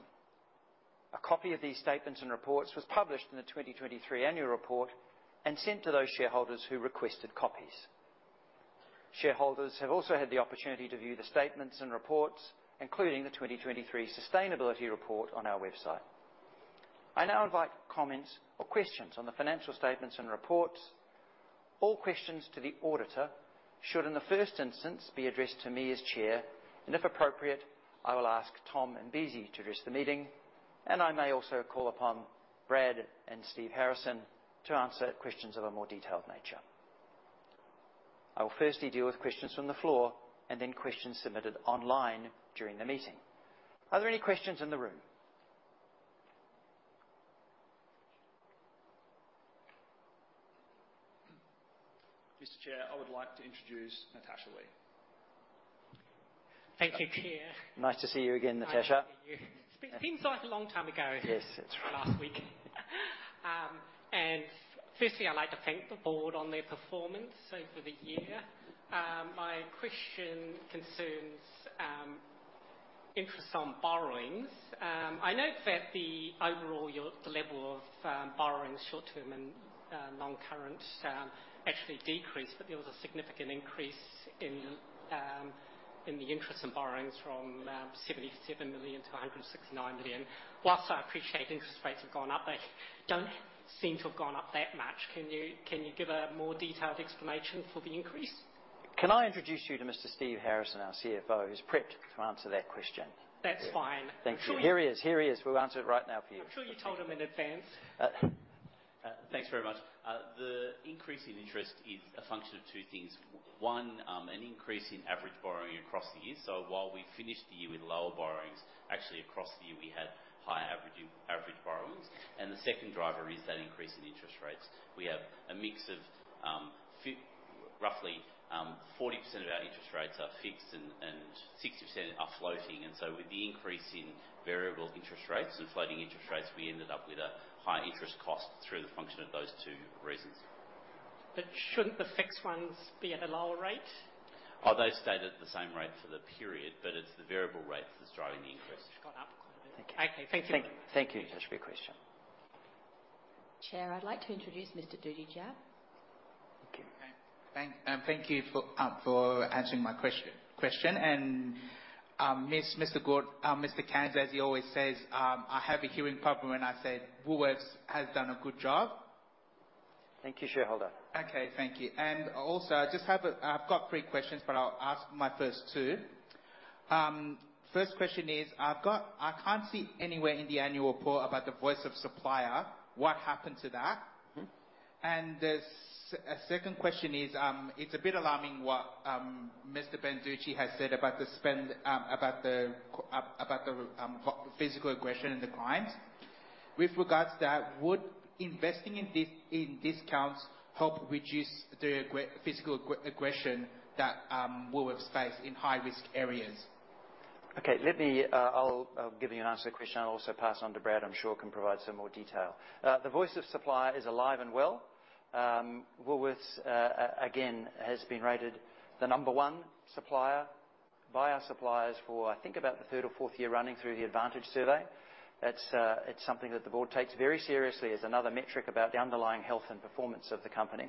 A copy of these statements and reports was published in the 2023 Annual Report and sent to those shareholders who requested copies. Shareholders have also had the opportunity to view the statements and reports, including the 2023 sustainability report on our website. I now invite comments or questions on the financial statements and reports. All questions to the auditor should, in the first instance, be addressed to me as chair, and if appropriate, I will ask Tom Imbesi to address the meeting, and I may also call upon Brad and Steve Harrison to answer questions of a more detailed nature. I will firstly deal with questions from the floor and then questions submitted online during the meeting. Are there any questions in the room? Mr. Chair, I would like to introduce Natasha Lee. Thank you, Chair. Nice to see you again, Natasha. Nice to see you. It seems like a long time ago. Yes, it's. Last week. And firstly, I'd like to thank the board on their performance over the year. My question concerns interest on borrowings. I note that the overall year, the level of borrowings, short-term and non-current, actually decreased, but there was a significant increase in the interest and borrowings from 77 million to 169 million. While I appreciate interest rates have gone up, they don't seem to have gone up that much. Can you give a more detailed explanation for the increase? Can I introduce you to Mr. Steve Harrison, our CFO, who's prepped to answer that question? That's fine. Thank you. Here he is, here he is. We'll answer it right now for you. I'm sure you told him in advance. Thanks very much. The increase in interest is a function of two things. One, an increase in average borrowing across the year. So while we finished the year with lower borrowings, actually across the year, we had higher average borrowings. And the second driver is that increase in interest rates. We have a mix of roughly 40% of our interest rates are fixed and 60% are floating. And so with the increase in variable interest rates and floating interest rates, we ended up with a higher interest cost through the function of those two reasons. Shouldn't the fixed ones be at a lower rate? They stayed at the same rate for the period, but it's the variable rate that's driving the increase. It's gone up quite a bit. Thank you. Okay, thank you. Thank you. Thank you, Natasha, for your question. Chair, I'd like to introduce Mr. Judy Jia. Thank you. Thank you for answering my question. And, Mr. Gordon Cairns, as he always says, I have a hearing problem, and I said, "Woolworths has done a good job. Thank you, shareholder. Okay, thank you. And also, I just have a i've got three questions, but I'll ask my first two. First question is, I can't see anywhere in the annual report about the Voice of Supplier. What happened to that? And a second question is, it's a bit alarming what Mr. Banducci has said about the spend, about the physical aggression in the clients. With regards to that, would investing in discounts help reduce the physical aggression that Woolworths face in high-risk areas? Okay, let me. I'll give you an answer to the question, and I'll also pass on to Brad, I'm sure can provide some more detail. The Voice of Supplier is alive and well. Woolworths, again, has been rated the number one supplier by our suppliers for, I think, about the third or fourth year running through the Advantage Survey. That's, it's something that the board takes very seriously as another metric about the underlying health and performance of the company.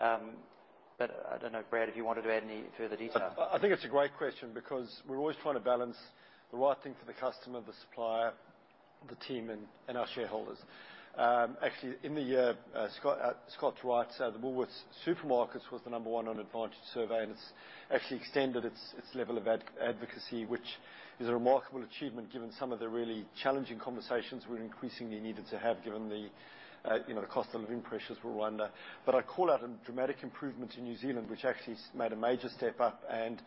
But I don't know, Brad, if you wanted to add any further detail. I think it's a great question because we're always trying to balance the right thing for the customer, the supplier, the team, and our shareholders. Actually, in the year, Roy Morgan, the Woolworths Supermarkets was the number one on Advantage Survey, and it's actually extended its level of advocacy, which is a remarkable achievement, given some of the really challenging conversations we're increasingly needed to have, given the, you know, the cost of living pressures we're under. But I call out a dramatic improvement in New Zealand, which actually made a major step up, and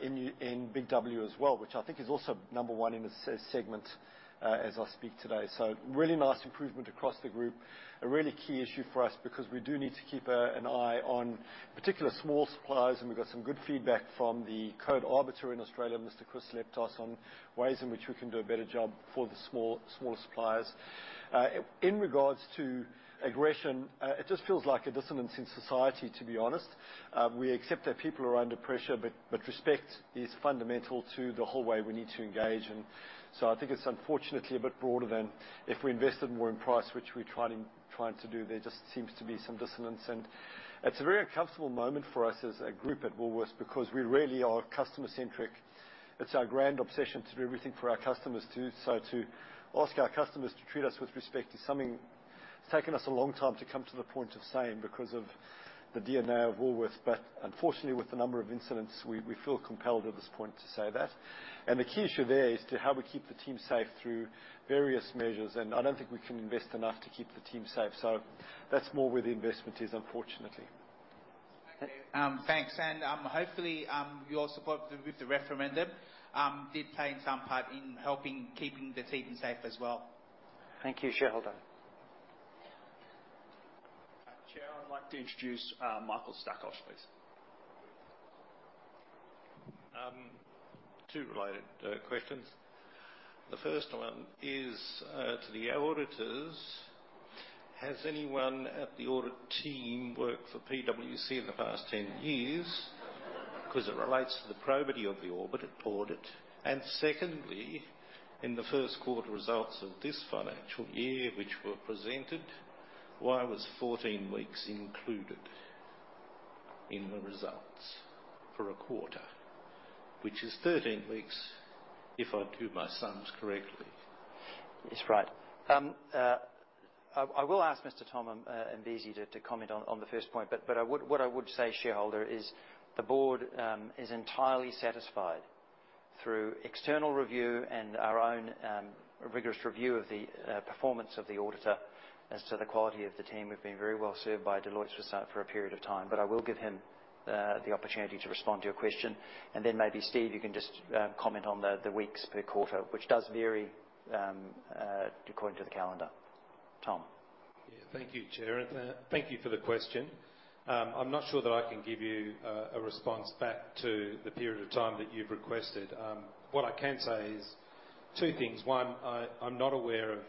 in Big W as well, which I think is also number one in the segment, as I speak today. So really nice improvement across the group. A really key issue for us because we do need to keep an eye on particular small suppliers, and we've got some good feedback from the Code Arbiter in Australia, Mr. Chris Leptos, on ways in which we can do a better job for the small, smaller suppliers. In regards to aggression, it just feels like a dissonance in society, to be honest. We accept that people are under pressure, but respect is fundamental to the whole way we need to engage. So I think it's unfortunately a bit broader than if we invested more in price, which we're trying to do. There just seems to be some dissonance, and it's a very uncomfortable moment for us as a group at Woolworths because we really are customer-centric. It's our grand obsession to do everything for our customers, too. So to ask our customers to treat us with respect is something it's taken us a long time to come to the point of saying because of the DNA of Woolworths. But unfortunately, with the number of incidents, we feel compelled at this point to say that. And the key issue there is to how we keep the team safe through various measures, and I don't think we can invest enough to keep the team safe. So that's more where the investment is, unfortunately. Thanks. And, hopefully, your support with the referendum did play some part in helping keeping the team safe as well. Thank you, shareholder. Chair, I'd like to introduce Michael Skocic, please. Two related questions. The first one is to the auditors: Has anyone at the audit team worked for PwC in the past 10 years? Because it relates to the probity of the audit. And secondly, in the first quarter results of this financial year, which were presented, why was 14 weeks included in the results for a quarter, which is 13 weeks, if I do my sums correctly? It's right. I will ask Mr. Tom Imbesi to comment on the first point, but what I would say, shareholder, is the board is entirely satisfied through external review and our own rigorous review of the performance of the auditor as to the quality of the team. We've been very well served by Deloitte Touche for a period of time. But I will give him the opportunity to respond to your question. And then maybe, Steve, you can just comment on the weeks per quarter, which does vary according to the calendar. Tom? Yeah. Thank you, Chair. And thank you for the question. I'm not sure that I can give you a response back to the period of time that you've requested. What I can say is two things. One, I'm not aware of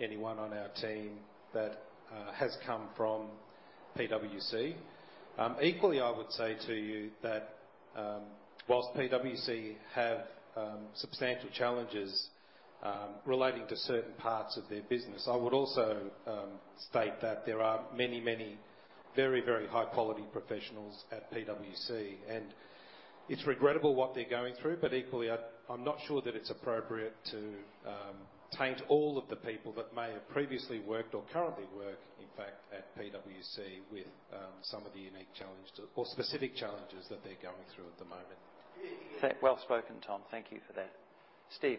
anyone on our team that has come from PwC. Equally, I would say to you that, while PwC have substantial challenges relating to certain parts of their business, I would also state that there are many, many, very, very high quality professionals at PwC. And it's regrettable what they're going through, but equally, I'm not sure that it's appropriate to taint all of the people that may have previously worked or currently work, in fact, at PwC, with some of the unique challenges to or specific challenges that they're going through at the moment. Yeah, yeah. Well spoken, Tom. Thank you for that. Steve?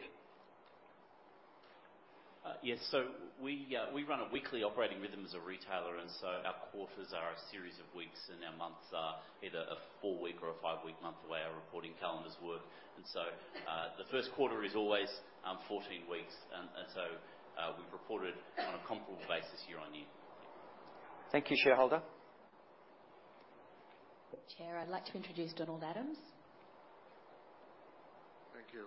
Yes. So we run a weekly operating rhythm as a retailer, and so our quarters are a series of weeks, and our months are either a four-week or a five-week month, the way our reporting calendars work. And so, the first quarter is always, 14 weeks. And so, we've reported on a comparable basis year on year. Thank you, shareholder. Chair, I'd like to introduce Donald Adams. Thank you.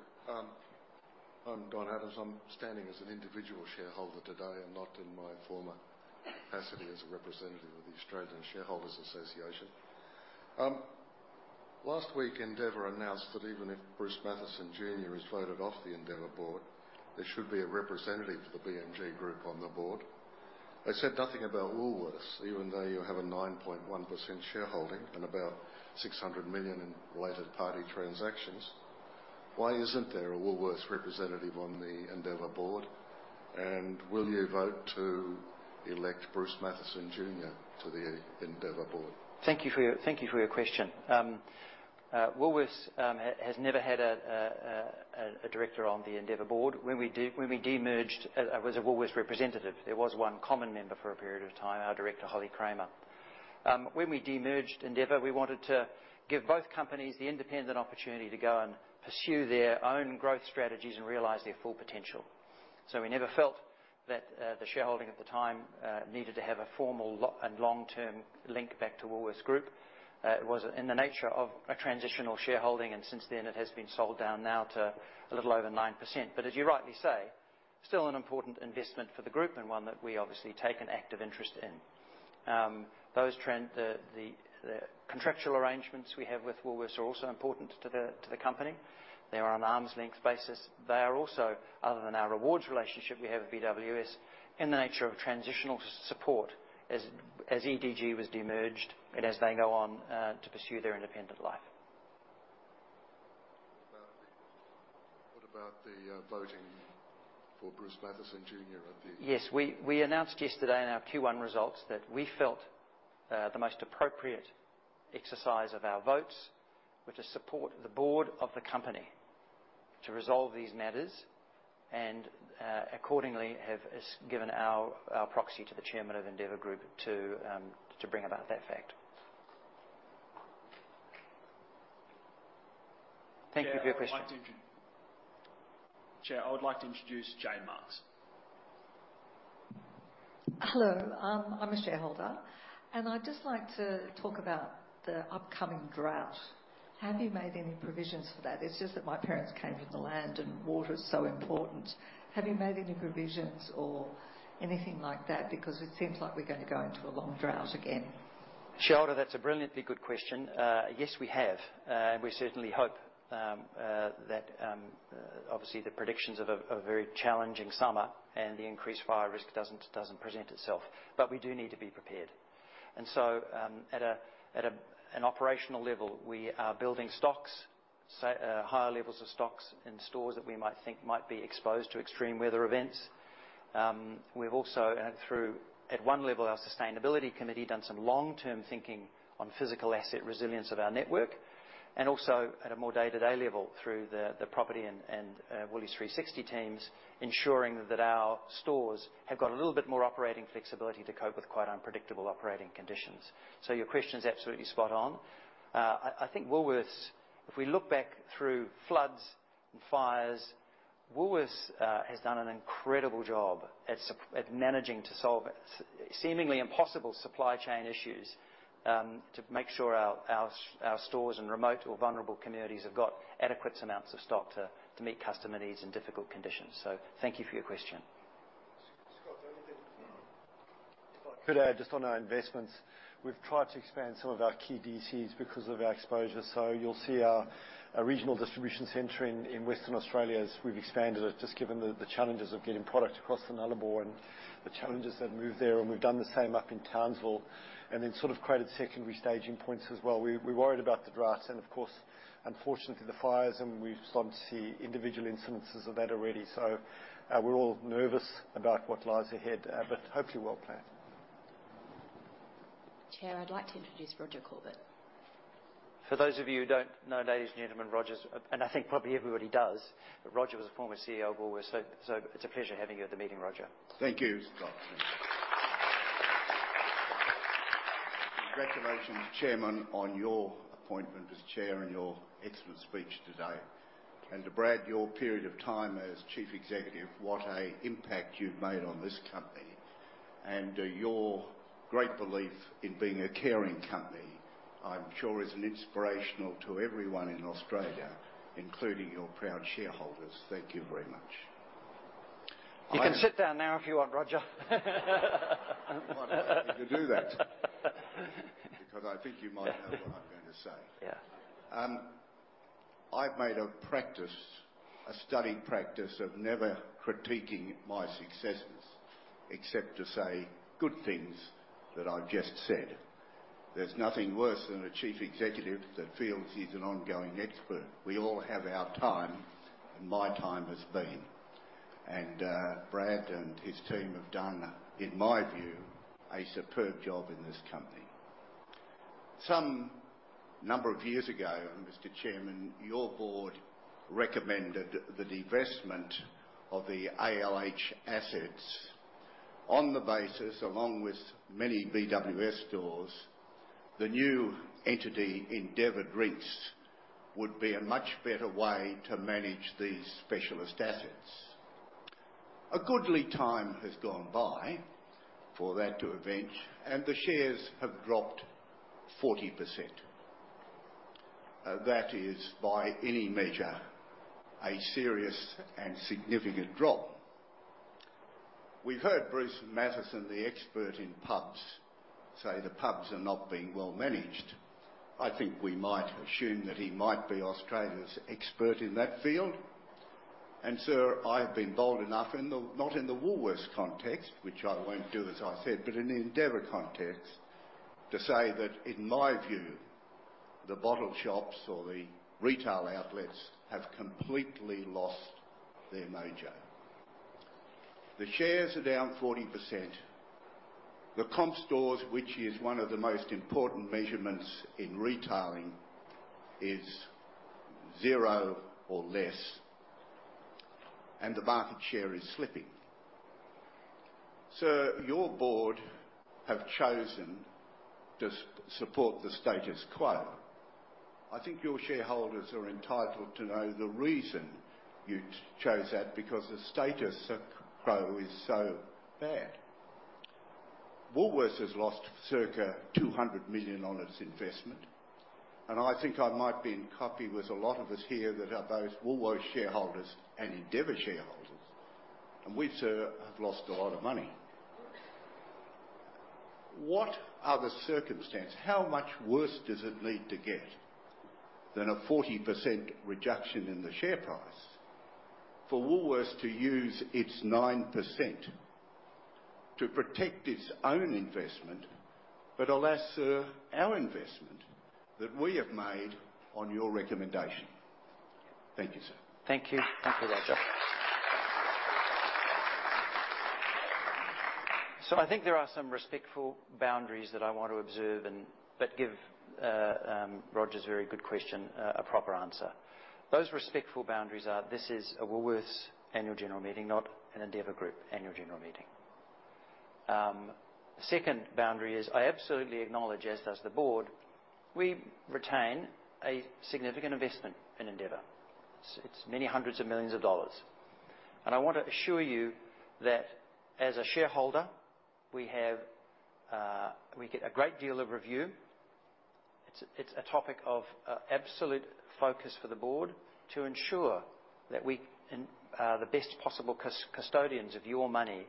I'm Don Adams. I'm standing as an individual shareholder today and not in my former capacity as a representative of the Australian Shareholders Association. Last week, Endeavour announced that even if Bruce Mathieson Jr. is voted off the Endeavour board, there should be a representative of the BMG group on the board. They said nothing about Woolworths, even though you have a 9.1% shareholding and about 600 million in related party transactions. Why isn't there a Woolworths representative on the Endeavour board? And will you vote to elect Bruce Mathieson Jr.? to the Endeavour board? Thank you for your, thank you for your question. Woolworths has never had a director on the Endeavour board. When we demerged, there was a Woolworths representative, there was one common member for a period of time, our director, Holly Kramer. When we demerged Endeavour, we wanted to give both companies the independent opportunity to go and pursue their own growth strategies and realize their full potential. So we never felt that the shareholding at the time needed to have a formal long-term link back to Woolworths Group. It was in the nature of a transitional shareholding, and since then it has been sold down now to a little over 9%. But as you rightly say, still an important investment for the group, and one that we obviously take an active interest in. Those trend, the contractual arrangements we have with Woolworths are also important to the, to the company. They are on an arm's length basis. They are also, other than our rewards relationship we have with BWS, in the nature of transitional support, as EDG was de-merged and as they go on to pursue their independent life. What about the voting for Bruce Mathieson Jr. at the- Yes, we announced yesterday in our Q1 results that we felt the most appropriate exercise of our votes were to support the board of the company to resolve these matters, and accordingly, have given our proxy to the chairman of Endeavour Group to bring about that fact. Thank you for your question. Chair, I would like to introduce Jane Marks. Hello. I'm a shareholder, and I'd just like to talk about the upcoming drought. Have you made any provisions for that? It's just that my parents came from the land, and water is so important. Have you made any provisions or anything like that? Because it seems like we're gonna go into a long drought again. Shareholder, that's a brilliantly good question. Yes, we have. We certainly hope that obviously the predictions of a very challenging summer and the increased fire risk doesn't present itself. But we do need to be prepared. So at an operational level, we are building higher levels of stocks in stores that we might think might be exposed to extreme weather events. We've also through at one level our Sustainability Committee done some long-term thinking on physical asset resilience of our network, and also at a more day-to-day level through the property and WooliesX teams ensuring that our stores have got a little bit more operating flexibility to cope with quite unpredictable operating conditions. So your question is absolutely spot on. I think Woolworths, if we look back through floods and fires, Woolworths has done an incredible job at managing to solve seemingly impossible supply chain issues, to make sure our stores in remote or vulnerable communities have got adequate amounts of stock to meet customer needs in difficult conditions. So thank you for your question. Scott, anything could add just on our investments. We've tried to expand some of our key DCs because of our exposure. So you'll see our regional distribution center in Western Australia, as we've expanded it, just given the challenges of getting product across the Nullarbor and the challenges that move there, and we've done the same up in Townsville, and then sort of created secondary staging points as well. We're worried about the drought and of course, unfortunately, the fires, and we've started to see individual instances of that already. So, we're all nervous about what lies ahead, but hopefully well-planned. Chair, I'd like to introduce Roger Corbett. For those of you who don't know, ladies and gentlemen, Roger, and I think probably everybody does, but Roger was a former CEO of Woolworths. So, it's a pleasure having you at the meeting, Roger. Thank you, Scott. Congratulations, Chairman, on your appointment as chair and your excellent speech today. And to Brad, your period of time as Chief Executive, what a impact you've made on this company. And, your great belief in being a caring company, I'm sure is an inspirational to everyone in Australia, including your proud shareholders. Thank you very much. You can sit down now if you want, Roger. You might ask me to do that. Because I think you might know what I'm going to say. Yeah. I've made a practice, a study practice, of never critiquing my successes, except to say good things that I've just said. There's nothing worse than a chief executive that feels he's an ongoing expert. We all have our time, and my time has been. And, Brad and his team have done, in my view, a superb job in this company. Some number of years ago, Mr. Chairman, your board recommended the divestment of the ALH assets on the basis, along with many BWS stores, the new entity, Endeavour Group, would be a much better way to manage these specialist assets. A goodly time has gone by for that to eventuate, and the shares have dropped 40%. That is, by any measure, a serious and significant drop. We've heard Bruce Mathieson, the expert in pubs, say the pubs are not being well managed. I think we might assume that he might be Australia's expert in that field. And, sir, I have been bold enough, and not in the Woolworths context, which I won't do, as I said, but in the Endeavour context, to say that in my view, the bottle shops or the retail outlets have completely lost their mojo. The shares are down 40%. The comp stores, which is one of the most important measurements in retailing, is zero or less, and the market share is slipping. Sir, your board have chosen to support the status quo. I think your shareholders are entitled to know the reason you chose that, because the status quo is so bad. Woolworths has lost circa 200 million on its investment, and I think I might be in company with a lot of us here that are both Woolworths shareholders and Endeavour shareholders, and we, sir, have lost a lot of money. What are the circumstances? How much worse does it need to get than a 40% reduction in the share price for Woolworths to use its 9% to protect its own investment, but alas, Sir, our investment that we have made on your recommendation? Thank you, sir. Thank you. Thank you, Roger. So I think there are some respectful boundaries that I want to observe and, but give Roger's very good question a proper answer. Those respectful boundaries are, this is a Woolworths annual general meeting, not an Endeavour Group annual general meeting. Second boundary is, I absolutely acknowledge, as the board, we retain a significant investment in Endeavour. It's, it's many hundreds of millions of dollars. And I want to assure you that as a shareholder, we have, we get a great deal of review. It's, it's a topic of absolute focus for the board to ensure that we and are the best possible custodians of your money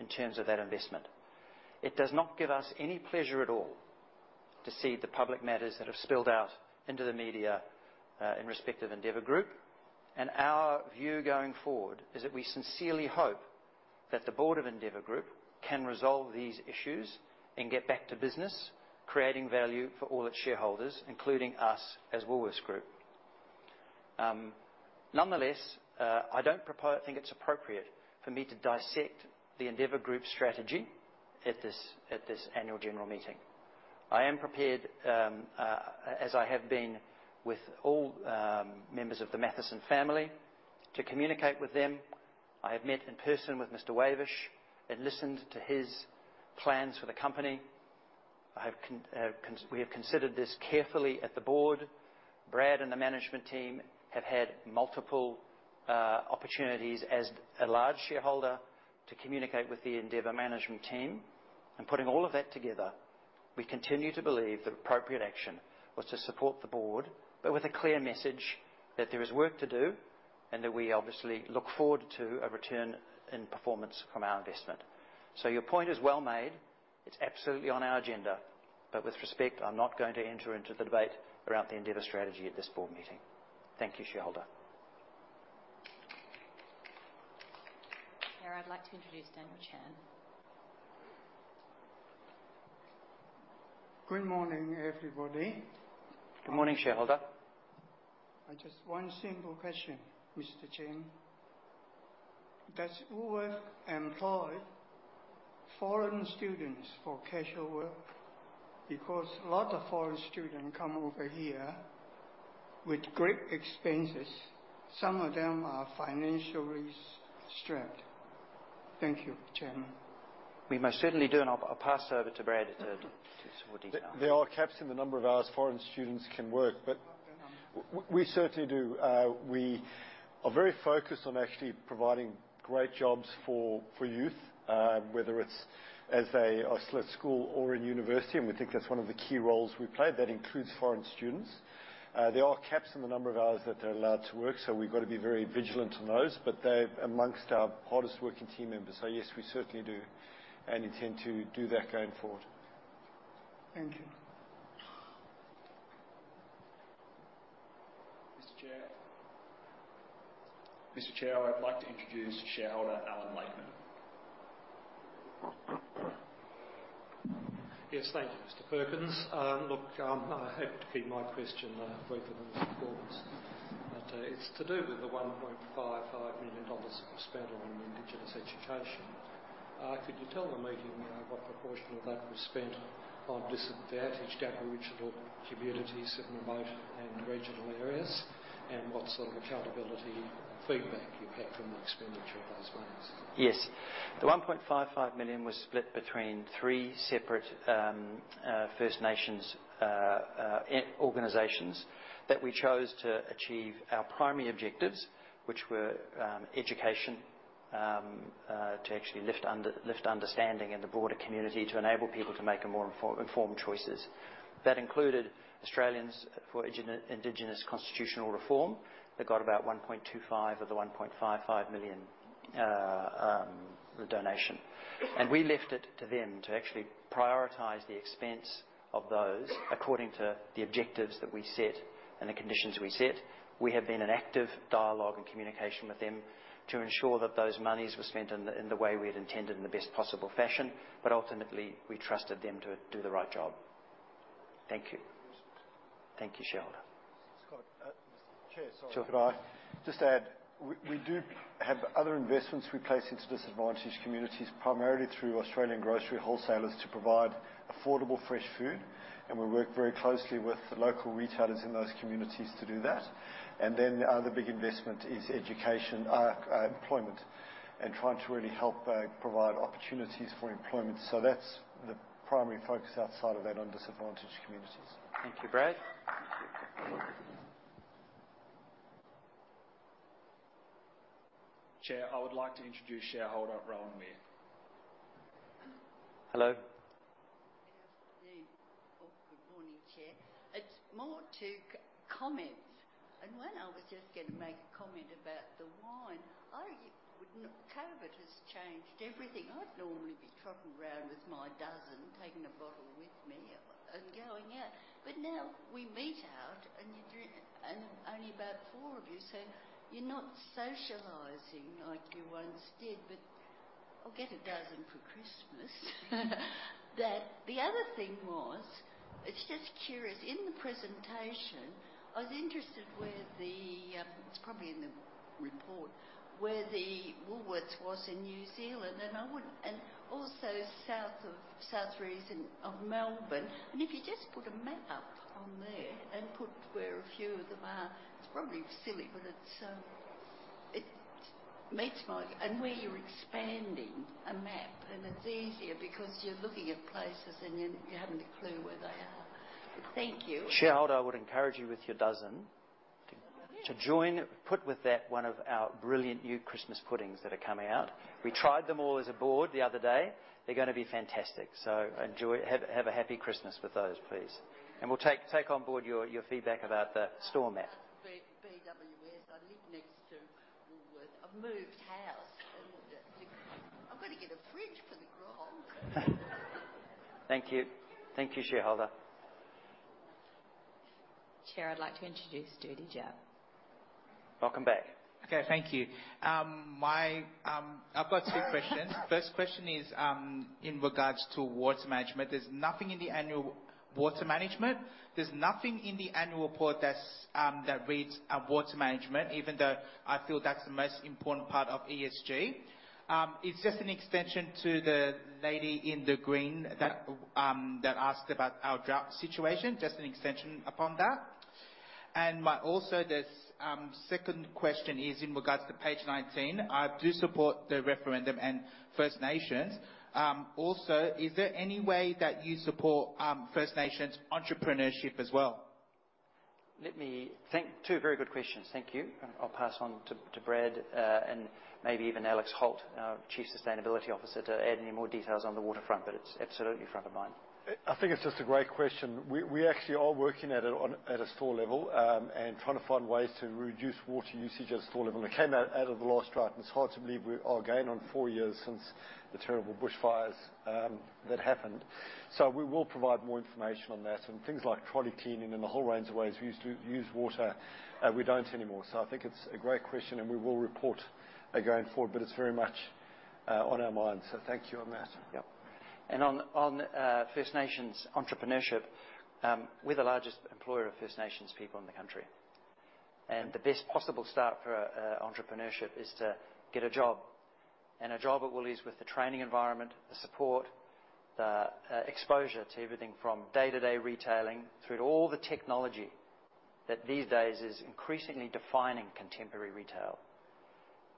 in terms of that investment. It does not give us any pleasure at all to see the public matters that have spilled out into the media in respect of Endeavour Group. Our view going forward is that we sincerely hope that the Board of Endeavour Group can resolve these issues and get back to business, creating value for all its shareholders, including us as Woolworths Group. Nonetheless, I don't think it's appropriate for me to dissect the Endeavour Group strategy at this annual general meeting. I am prepared, as I have been with all members of the Mathieson family, to communicate with them. I have met in person with Mr. Wavish and listened to his plans for the company. We have considered this carefully at the board. Brad and the management team have had multiple opportunities as a large shareholder to communicate with the Endeavour management team. Putting all of that together, we continue to believe that appropriate action was to support the board, but with a clear message that there is work to do and that we obviously look forward to a return in performance from our investment. Your point is well made. It's absolutely on our agenda, but with respect, I'm not going to enter into the debate around the Endeavour strategy at this board meeting. Thank you, shareholder. Now, I'd like to introduce Daniel Chan. Good morning, everybody. Good morning, shareholder. I just one simple question, Mr. Chairman. Does Woolworths employ foreign students for casual work? Because a lot of foreign students come over here with great expenses. Some of them are financially strapped. Thank you, Chairman. We most certainly do, and I'll pass over to Brad for details. There are caps in the number of hours foreign students can work, but we certainly do. We are very focused on actually providing great jobs for youth, whether it's as they are still at school or in university, and we think that's one of the key roles we play. That includes foreign students. There are caps on the number of hours that they're allowed to work, so we've got to be very vigilant on those, but they're among our hardest-working team members. So yes, we certainly do, and intend to do that going forward. Thank you. Mr. Chair? Mr. Chair, I'd like to introduce shareholder, Allan Lakeman. Yes, thank you, Mr. Perkins. Look, I have to keep my question brief and to the point. But, it's to do with the $1.55 million spent on Indigenous education. Could you tell the meeting what proportion of that was spent on the average Aboriginal communities in remote and regional areas, and what sort of accountability feedback you get from the expenditure of those monies? Yes. The $1.55 million was split between three separate First Nations organizations that we chose to achieve our primary objectives, which were education to actually lift understanding in the broader community, to enable people to make a more informed choices. That included Australians for Indigenous Constitutional Recognition. They got about $1.25 million of the $1.55 million, the donation. And we left it to them to actually prioritize the expense of those according to the objectives that we set and the conditions we set. We have been in active dialogue and communication with them to ensure that those monies were spent in the way we had intended, in the best possible fashion, but ultimately, we trusted them to do the right job. Thank you. Thank you, shareholder. Chair, sorry, could I just add, we do have other investments we place into disadvantaged communities, primarily through Australian Grocery Wholesalers, to provide affordable fresh food, and we work very closely with the local retailers in those communities to do that. And then, the big investment is education, employment, and trying to really help, provide opportunities for employment. So that's the primary focus outside of that, on disadvantaged communities. Thank you, Brad. Chair, I would like to introduce shareholder, Rowan Weir. Hello. Yeah. Oh, good morning, Chair. It's more to comment. And one, I was just gonna make a comment about the wine. I would not—COVID has changed everything. I'd normally be trotting around with my dozen, taking a bottle with me and, and going out. But now we meet out, and you drink, and only about four of you, so you're not socializing like you once did. But I'll get a dozen for Christmas. But the other thing was, it's just curious, in the presentation, I was interested where the. It's probably in the report, where the Woolworths was in New Zealand, and I would—And also south of southeastern of Melbourne. And if you just put a map up on there and put where a few of them are. It's probably silly, but it's, it meets my... Where you're expanding, a map, and it's easier because you're looking at places and you haven't a clue where they are. Thank you. Shareholder, I would encourage you with your dozen to join one of our brilliant new Christmas puddings that are coming out. We tried them all as a board the other day. They're gonna be fantastic, so enjoy. Have a happy Christmas with those, please. We'll take on board your feedback about the store map. BWS. I live next to Woolworths. I've moved house, and I've got to get a fridge for the grog. Thank you. Thank you, shareholder. Chair, I'd like to introduce Judy Jia. Welcome back. Okay, thank you. I've got two questions. First question is in regards to water management. There's nothing in the annual water management. There's nothing in the annual report that's that reads water management, even though I feel that's the most important part of ESG. It's just an extension to the lady in the green that that asked about our drought situation, just an extension upon that. Second question is in regards to page 19. I do support the referendum and First Nations. Also, is there any way that you support First Nations entrepreneurship as well? Let me think. Two very good questions. Thank you. I'll pass on to Brad, and maybe even Alex Holt, our Chief Sustainability Officer, to add any more details on the waterfront, but it's absolutely front of mind. I think it's just a great question. We actually are working on a store level and trying to find ways to reduce water usage at a store level. We came out of the last drought, and it's hard to believe we are again on four years since the terrible bushfires that happened. So we will provide more information on that and things like trolley cleaning and a whole range of ways we used to use water, we don't anymore. So I think it's a great question, and we will report going forward, but it's very much on our minds. So thank you on that. Yep. And on First Nations entrepreneurship, we're the largest employer of First Nations people in the country. And the best possible start for a entrepreneurship is to get a job. And a job at Woolies with the training environment, the support, the exposure to everything from day-to-day retailing through to all the technology, that these days is increasingly defining contemporary retail.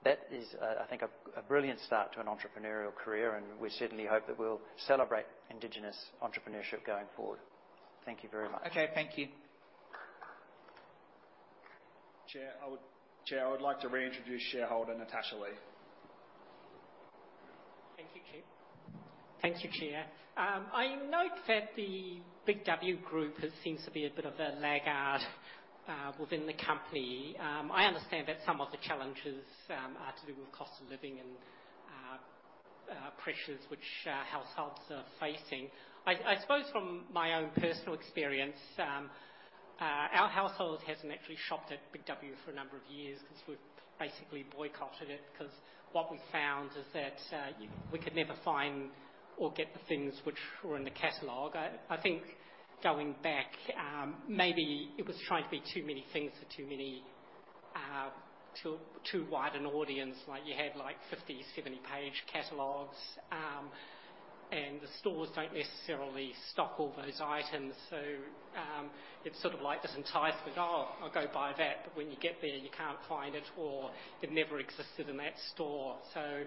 That is, I think, a brilliant start to an entrepreneurial career, and we certainly hope that we'll celebrate Indigenous entrepreneurship going forward. Thank you very much. Okay, thank you. Chair, I would like to reintroduce shareholder, Natasha Lee. Thank you, Chair. Thank you, Chair. I note that the Big W group, it seems to be a bit of a laggard within the company. I understand that some of the challenges are to do with cost of living and pressures which households are facing. I suppose from my own personal experience, our household hasn't actually shopped at Big W for a number of years because we've basically boycotted it. Because what we found is that we could never find or get the things which were in the catalog. I think going back, maybe it was trying to be too many things for too wide an audience. Like, you had like 50, 70-page catalogs, and the stores don't necessarily stock all those items. So, it's sort of like this enticement, "Oh, I'll go buy that." But when you get there, you can't find it or it never existed in that store. So,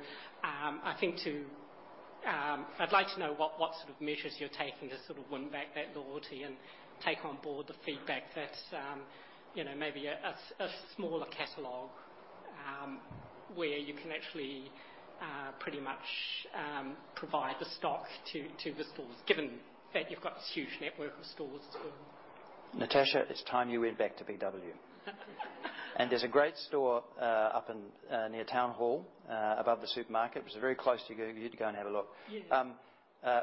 I'd like to know what sort of measures you're taking to sort of win back that loyalty and take on board the feedback that, you know, maybe a smaller catalog, where you can actually pretty much provide the stock to the stores, given that you've got this huge network of stores as well. Natasha, it's time you went back to Big W. There's a great store up in, near Town Hall, above the supermarket, which is very close to you. You'd go and have a look.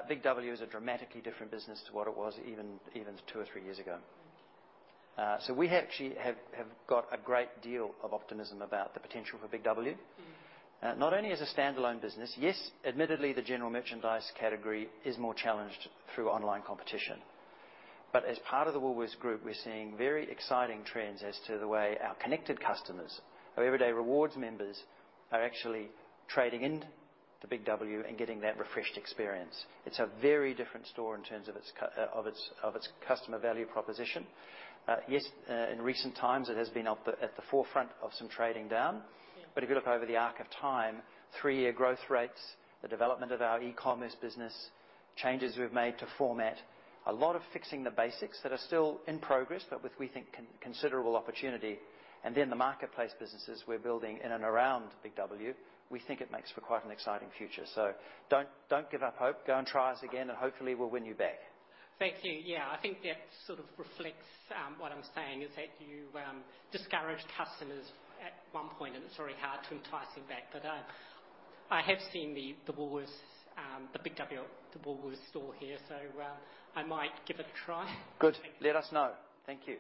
Big W is a dramatically different business to what it was even two or three years ago So we actually have got a great deal of optimism about the potential for Big not only as a standalone business. Yes, admittedly, the general merchandise category is more challenged through online competition. But as part of the Woolworths Group, we're seeing very exciting trends as to the way our connected customers, our Everyday Rewards members, are actually trading in the Big W and getting that refreshed experience. It's a very different store in terms of its customer value proposition. In recent times, it has been up at the forefront of some trading down. But if you look over the arc of time, three year growth rates, the development of our e-commerce business, changes we've made to format, a lot of fixing the basics that are still in progress, but with, we think, considerable opportunity. And then the marketplace businesses we're building in and around Big W, we think it makes for quite an exciting future. So don't, don't give up hope. Go and try us again, and hopefully, we'll win you back. Thank you. Yeah, I think that sort of reflects what I'm saying, is that you discouraged customers at one point, and it's very hard to entice them back. But I have seen the Woolworths, the Big W, the Woolworths store here, so I might give it a try. Good. Let us know. Thank you.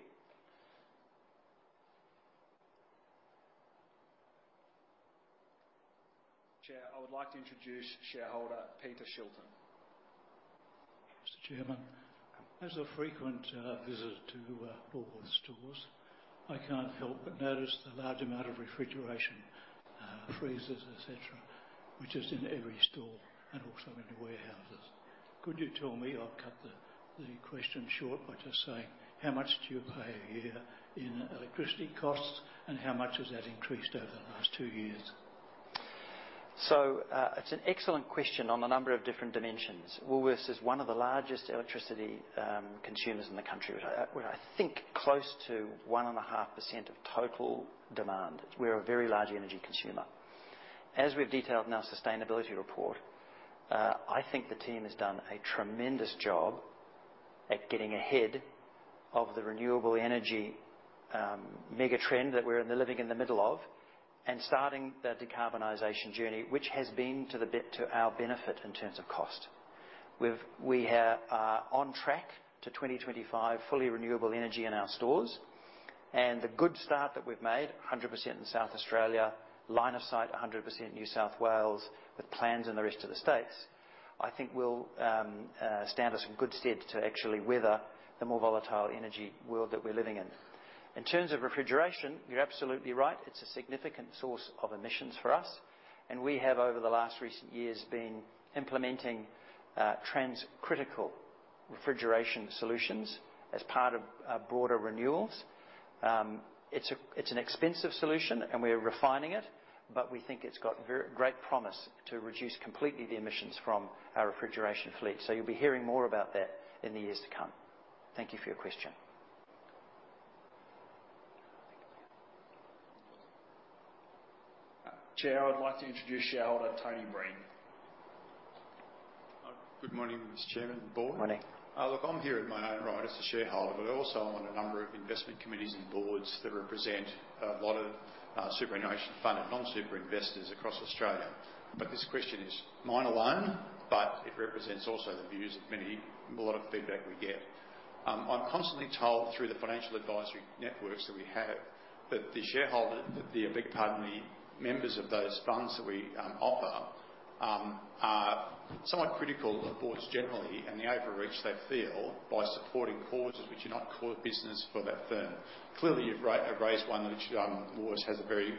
Chair, I would like to introduce shareholder, Peter Shilton. Mr. Chairman, as a frequent visitor to Woolworths stores, I can't help but notice the large amount of refrigeration freezers, et cetera, which is in every store and also in the warehouses. Could you tell me, I'll cut the question short by just saying, how much do you pay a year in electricity costs, and how much has that increased over the last two years? So, it's an excellent question on a number of different dimensions. Woolworths is one of the largest electricity consumers in the country. We're, I think close to 1.5% of total demand. We're a very large energy consumer. As we've detailed in our sustainability report, I think the team has done a tremendous job at getting ahead of the renewable energy mega trend that we're in the middle of, and starting the decarbonization journey, which has been to our benefit in terms of cost. We are on track to 2025, fully renewable energy in our stores. And the good start that we've made, 100% in South Australia, line of sight, 100% New South Wales, with plans in the rest of the states. I think we'll stand us in good stead to actually weather the more volatile energy world that we're living in. In terms of refrigeration, you're absolutely right, it's a significant source of emissions for us, and we have, over the last recent years, been implementing transcritical refrigeration solutions as part of our broader renewals. It's an expensive solution, and we are refining it, but we think it's got very great promise to reduce completely the emissions from our refrigeration fleet. So you'll be hearing more about that in the years to come. Thank you for your question. Chair, I would like to introduce shareholder, Tony Breen. Good morning, Mr. Chairman and Board. Morning. Look, I'm here in my own right as a shareholder, but also on a number of investment committees and boards that represent a lot of superannuation funded, non-super investors across Australia. But this question is mine alone, but it represents also the views of many, a lot of feedback we get. I'm constantly told through the financial advisory networks that we have, that the shareholder, that the, beg your pardon me, members of those funds that we offer, are somewhat critical of the boards generally and the overreach they feel by supporting causes which are not core business for that firm. Clearly, you've raised one which Woolworths has a very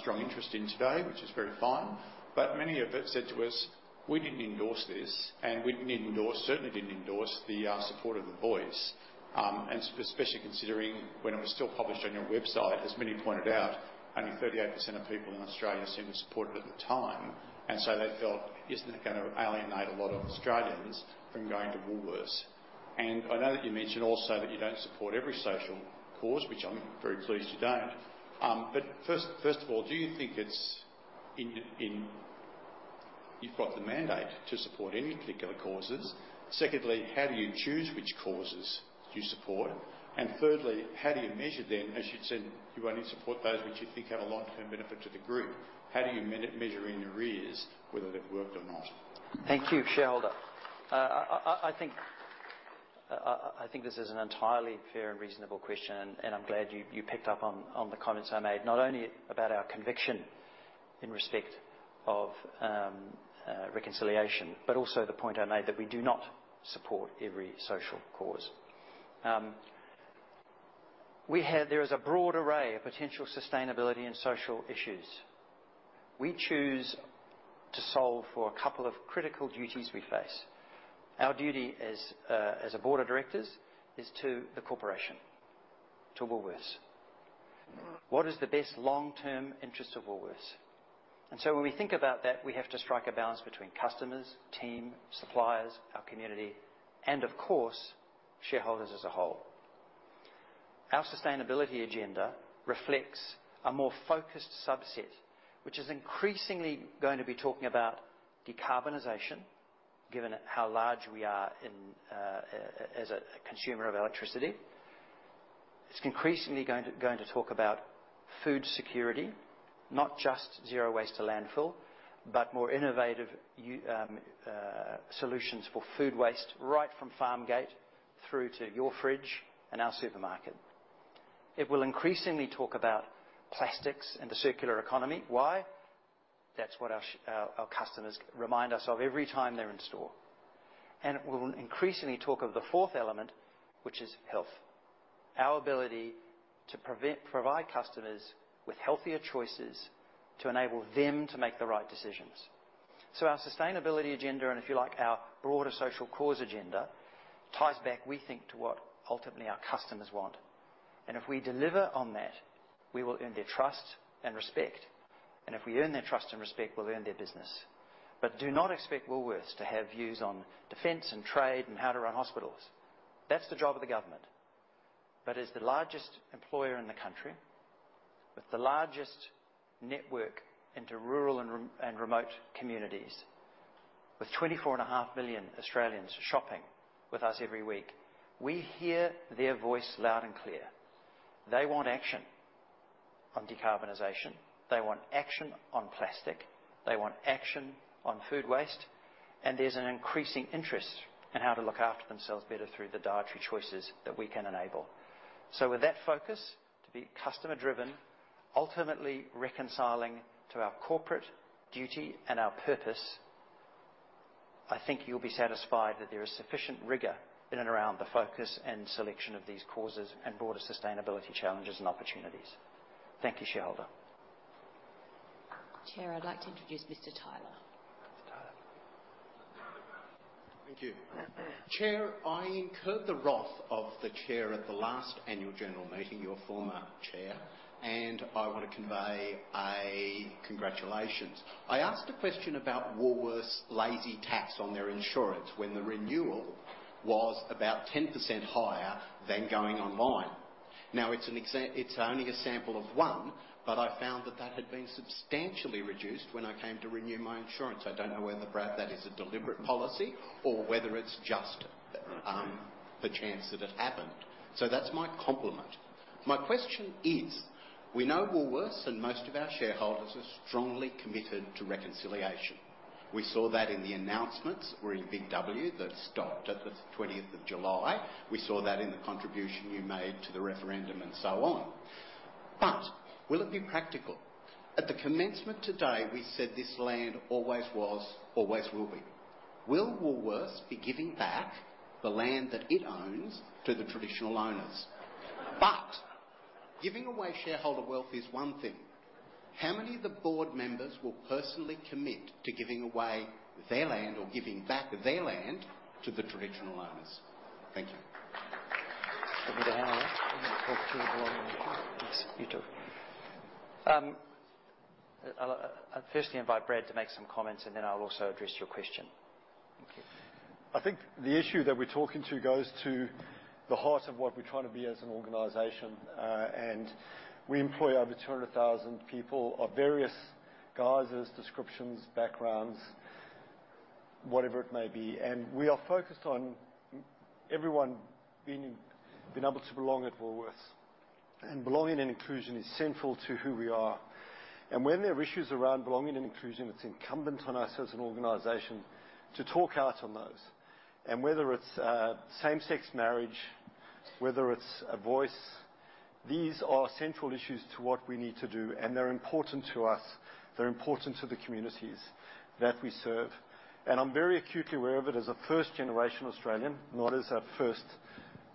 strong interest in today, which is very fine. But many of it said to us: "We didn't endorse this, and we didn't endorse, certainly didn't endorse the support of the Voice." And especially considering when it was still published on your website, as many pointed out, only 38% of people in Australia seemed to support it at the time. And so they felt, isn't it gonna alienate a lot of Australians from going to Woolworths? And I know that you mentioned also that you don't support every social cause, which I'm very pleased you don't. But first, first of all, do you think it's in... You've got the mandate to support any particular causes? Secondly, how do you choose which causes do you support? And thirdly, how do you measure them? As you'd said, you only support those which you think have a long-term benefit to the group. How do you measure in your ears, whether they've worked or not? Thank you, shareholder. I think this is an entirely fair and reasonable question, and I'm glad you picked up on the comments I made, not only about our conviction in respect of reconciliation, but also the point I made that we do not support every social cause. There is a broad array of potential sustainability and social issues. We choose to solve for a couple of critical duties we face. Our duty as a board of directors is to the corporation, to Woolworths. What is the best long-term interest of Woolworths? And so when we think about that, we have to strike a balance between customers, team, suppliers, our community, and of course, shareholders as a whole. Our sustainability agenda reflects a more focused subset, which is increasingly going to be talking about decarbonization, given how large we are in, as a consumer of electricity. It's increasingly going to talk about food security, not just zero waste to landfill, but more innovative solutions for food waste, right from farm gate through to your fridge and our supermarket. It will increasingly talk about plastics and the circular economy. Why? That's what our customers remind us of every time they're in store. And it will increasingly talk of the fourth element, which is health. Our ability to provide customers with healthier choices to enable them to make the right decisions. So our sustainability agenda, and if you like, our broader social cause agenda, ties back, we think, to what ultimately our customers want. If we deliver on that, we will earn their trust and respect, and if we earn their trust and respect, we'll earn their business. But do not expect Woolworths to have views on defense, and trade, and how to run hospitals. That's the job of the government. But as the largest employer in the country, with the largest network into rural and remote communities, with 24.5 million Australians shopping with us every week, we hear their voice loud and clear. They want action on decarbonization, they want action on plastic, they want action on food waste, and there's an increasing interest in how to look after themselves better through the dietary choices that we can enable. With that focus, to be customer-driven, ultimately reconciling to our corporate duty and our purpose, I think you'll be satisfied that there is sufficient rigor in and around the focus and selection of these causes and broader sustainability challenges and opportunities. Thank you, shareholder. Chair, I'd like to introduce Mr. Taylor. Mr. Taylor. Thank you. Chair, I incurred the wrath of the chair at the last annual general meeting, your former chair, and I want to convey a congratulations. I asked a question about Woolworths' lazy tax on their insurance when the renewal was about 10% higher than going online. Now, it's only a sample of one, but I found that that had been substantially reduced when I came to renew my insurance. I don't know whether, Brad, that is a deliberate policy or whether it's just. The chance that it happened. So that's my compliment. My question is: we know Woolworths and most of our shareholders are strongly committed to reconciliation. We saw that in the announcements or in Big W that stopped at the 20th of July. We saw that in the contribution you made to the referendum and so on. But will it be practical? At the commencement today, we said, "This land always was, always will be." Will Woolworths be giving back the land that it owns to the traditional owners? But giving away shareholder wealth is one thing. How many of the board members will personally commit to giving away their land or giving back their land to the traditional owners? Thank you. Over to you, Brad. Talk to the belonging. Yes, you too. I'll firstly invite Brad to make some comments, and then I'll also address your question. Thank you. I think the issue that we're talking to goes to the heart of what we're trying to be as an organization. And we employ over 200,000 people of various guises, descriptions, backgrounds, whatever it may be, and we are focused on everyone being, being able to belong at Woolworths. And belonging and inclusion is central to who we are. And when there are issues around belonging and inclusion, it's incumbent on us as an organization to talk out on those. And whether it's same-sex marriage, whether it's a voice, these are central issues to what we need to do, and they're important to us. They're important to the communities that we serve. I'm very acutely aware of it as a first-generation Australian, not as a first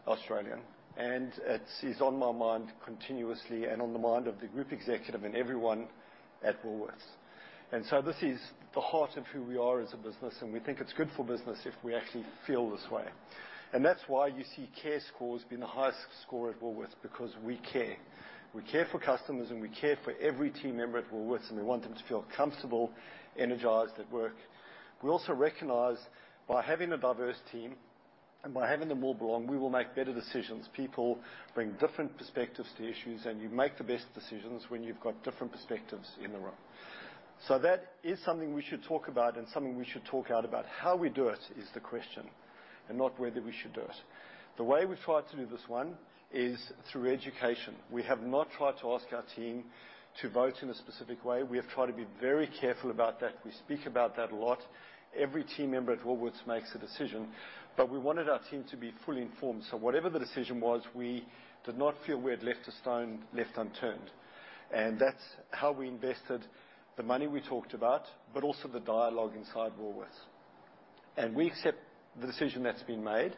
Australian, and it is on my mind continuously and on the mind of the group executive and everyone at Woolworths. So this is the heart of who we are as a business, and we think it's good for business if we actually feel this way. That's why you see care scores being the highest score at Woolworths, because we care. We care for customers, and we care for every team member at Woolworths, and we want them to feel comfortable, energized at work. We also recognize by having a diverse team and by having them all belong, we will make better decisions. People bring different perspectives to issues, and you make the best decisions when you've got different perspectives in the room. So that is something we should talk about and something we should talk out about. How we do it is the question, and not whether we should do it. The way we've tried to do this one is through education. We have not tried to ask our team to vote in a specific way. We have tried to be very careful about that. We speak about that a lot. Every team member at Woolworths makes a decision, but we wanted our team to be fully informed. So whatever the decision was, we did not feel we had left a stone left unturned, and that's how we invested the money we talked about, but also the dialogue inside Woolworths. We accept the decision that's been made,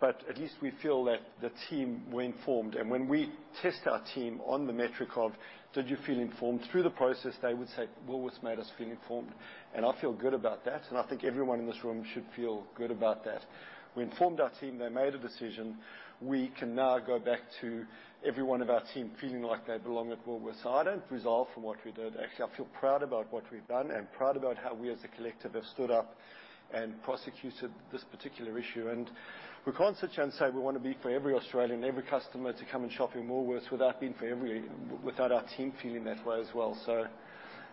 but at least we feel that the team were informed, and when we test our team on the metric of: Did you feel informed through the process? They would say, "Woolworths made us feel informed." And I feel good about that, and I think everyone in this room should feel good about that. We informed our team. They made a decision. We can now go back to every one of our team feeling like they belong at Woolworths. I don't resile from what we did. Actually, I feel proud about what we've done and proud about how we, as a collective, have stood up and prosecuted this particular issue. We can't sit here and say we want to be for every Australian, every customer to come and shop in Woolworths without being for every-- without our team feeling that way as well. So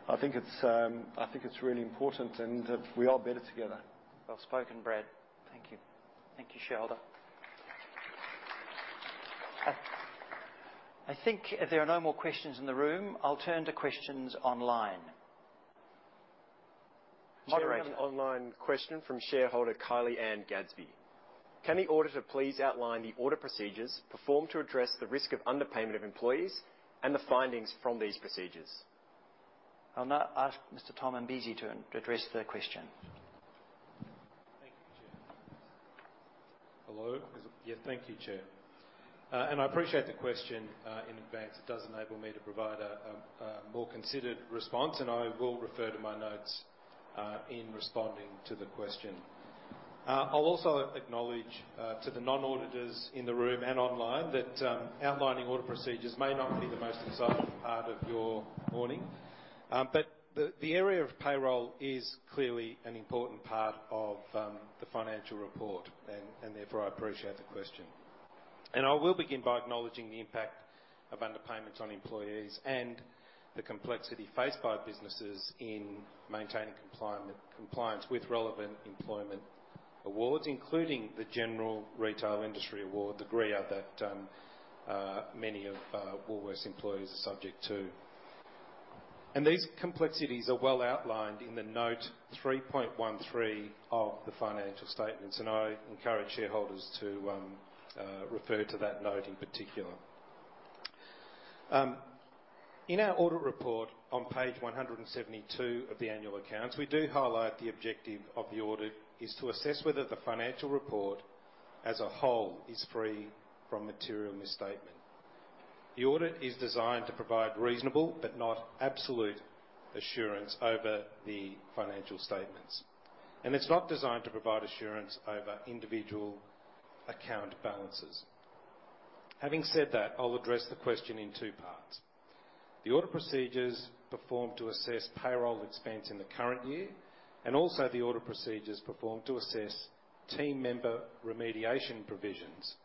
I think it's, I think it's really important, and that we are better together. Well spoken, Brad. Thank you. Thank you, shareholder. I, I think if there are no more questions in the room, I'll turn to questions online. Moderator, an online question from shareholder Kylie Ann Gadsby: "Can the auditor please outline the audit procedures performed to address the risk of underpayment of employees and the findings from these procedures? I'll now ask Mr. Tom Imbesi to address the question. Thank you, Chair. I appreciate the question in advance. It does enable me to provide a more considered response, and I will refer to my notes in responding to the question. I'll also acknowledge to the non-auditors in the room and online that outlining audit procedures may not be the most exciting part of your morning. But the area of payroll is clearly an important part of the financial report, and therefore, I appreciate the question. I will begin by acknowledging the impact of underpayments on employees and the complexity faced by businesses in maintaining compliance with relevant employment awards, including the General Retail Industry Award, the GRIA, that many of Woolworths employees are subject to. These complexities are well outlined in the Note 3.13 of the financial statements, and I encourage shareholders to refer to that note in particular. In our audit report on page 172 of the annual accounts, we do highlight the objective of the audit is to assess whether the financial report as a whole is free from material misstatement. The audit is designed to provide reasonable but not absolute assurance over the financial statements, and it's not designed to provide assurance over individual account balances. Having said that, I'll address the question in two parts: the audit procedures performed to assess payroll expense in the current year, and also the audit procedures performed to assess team member remediation provisions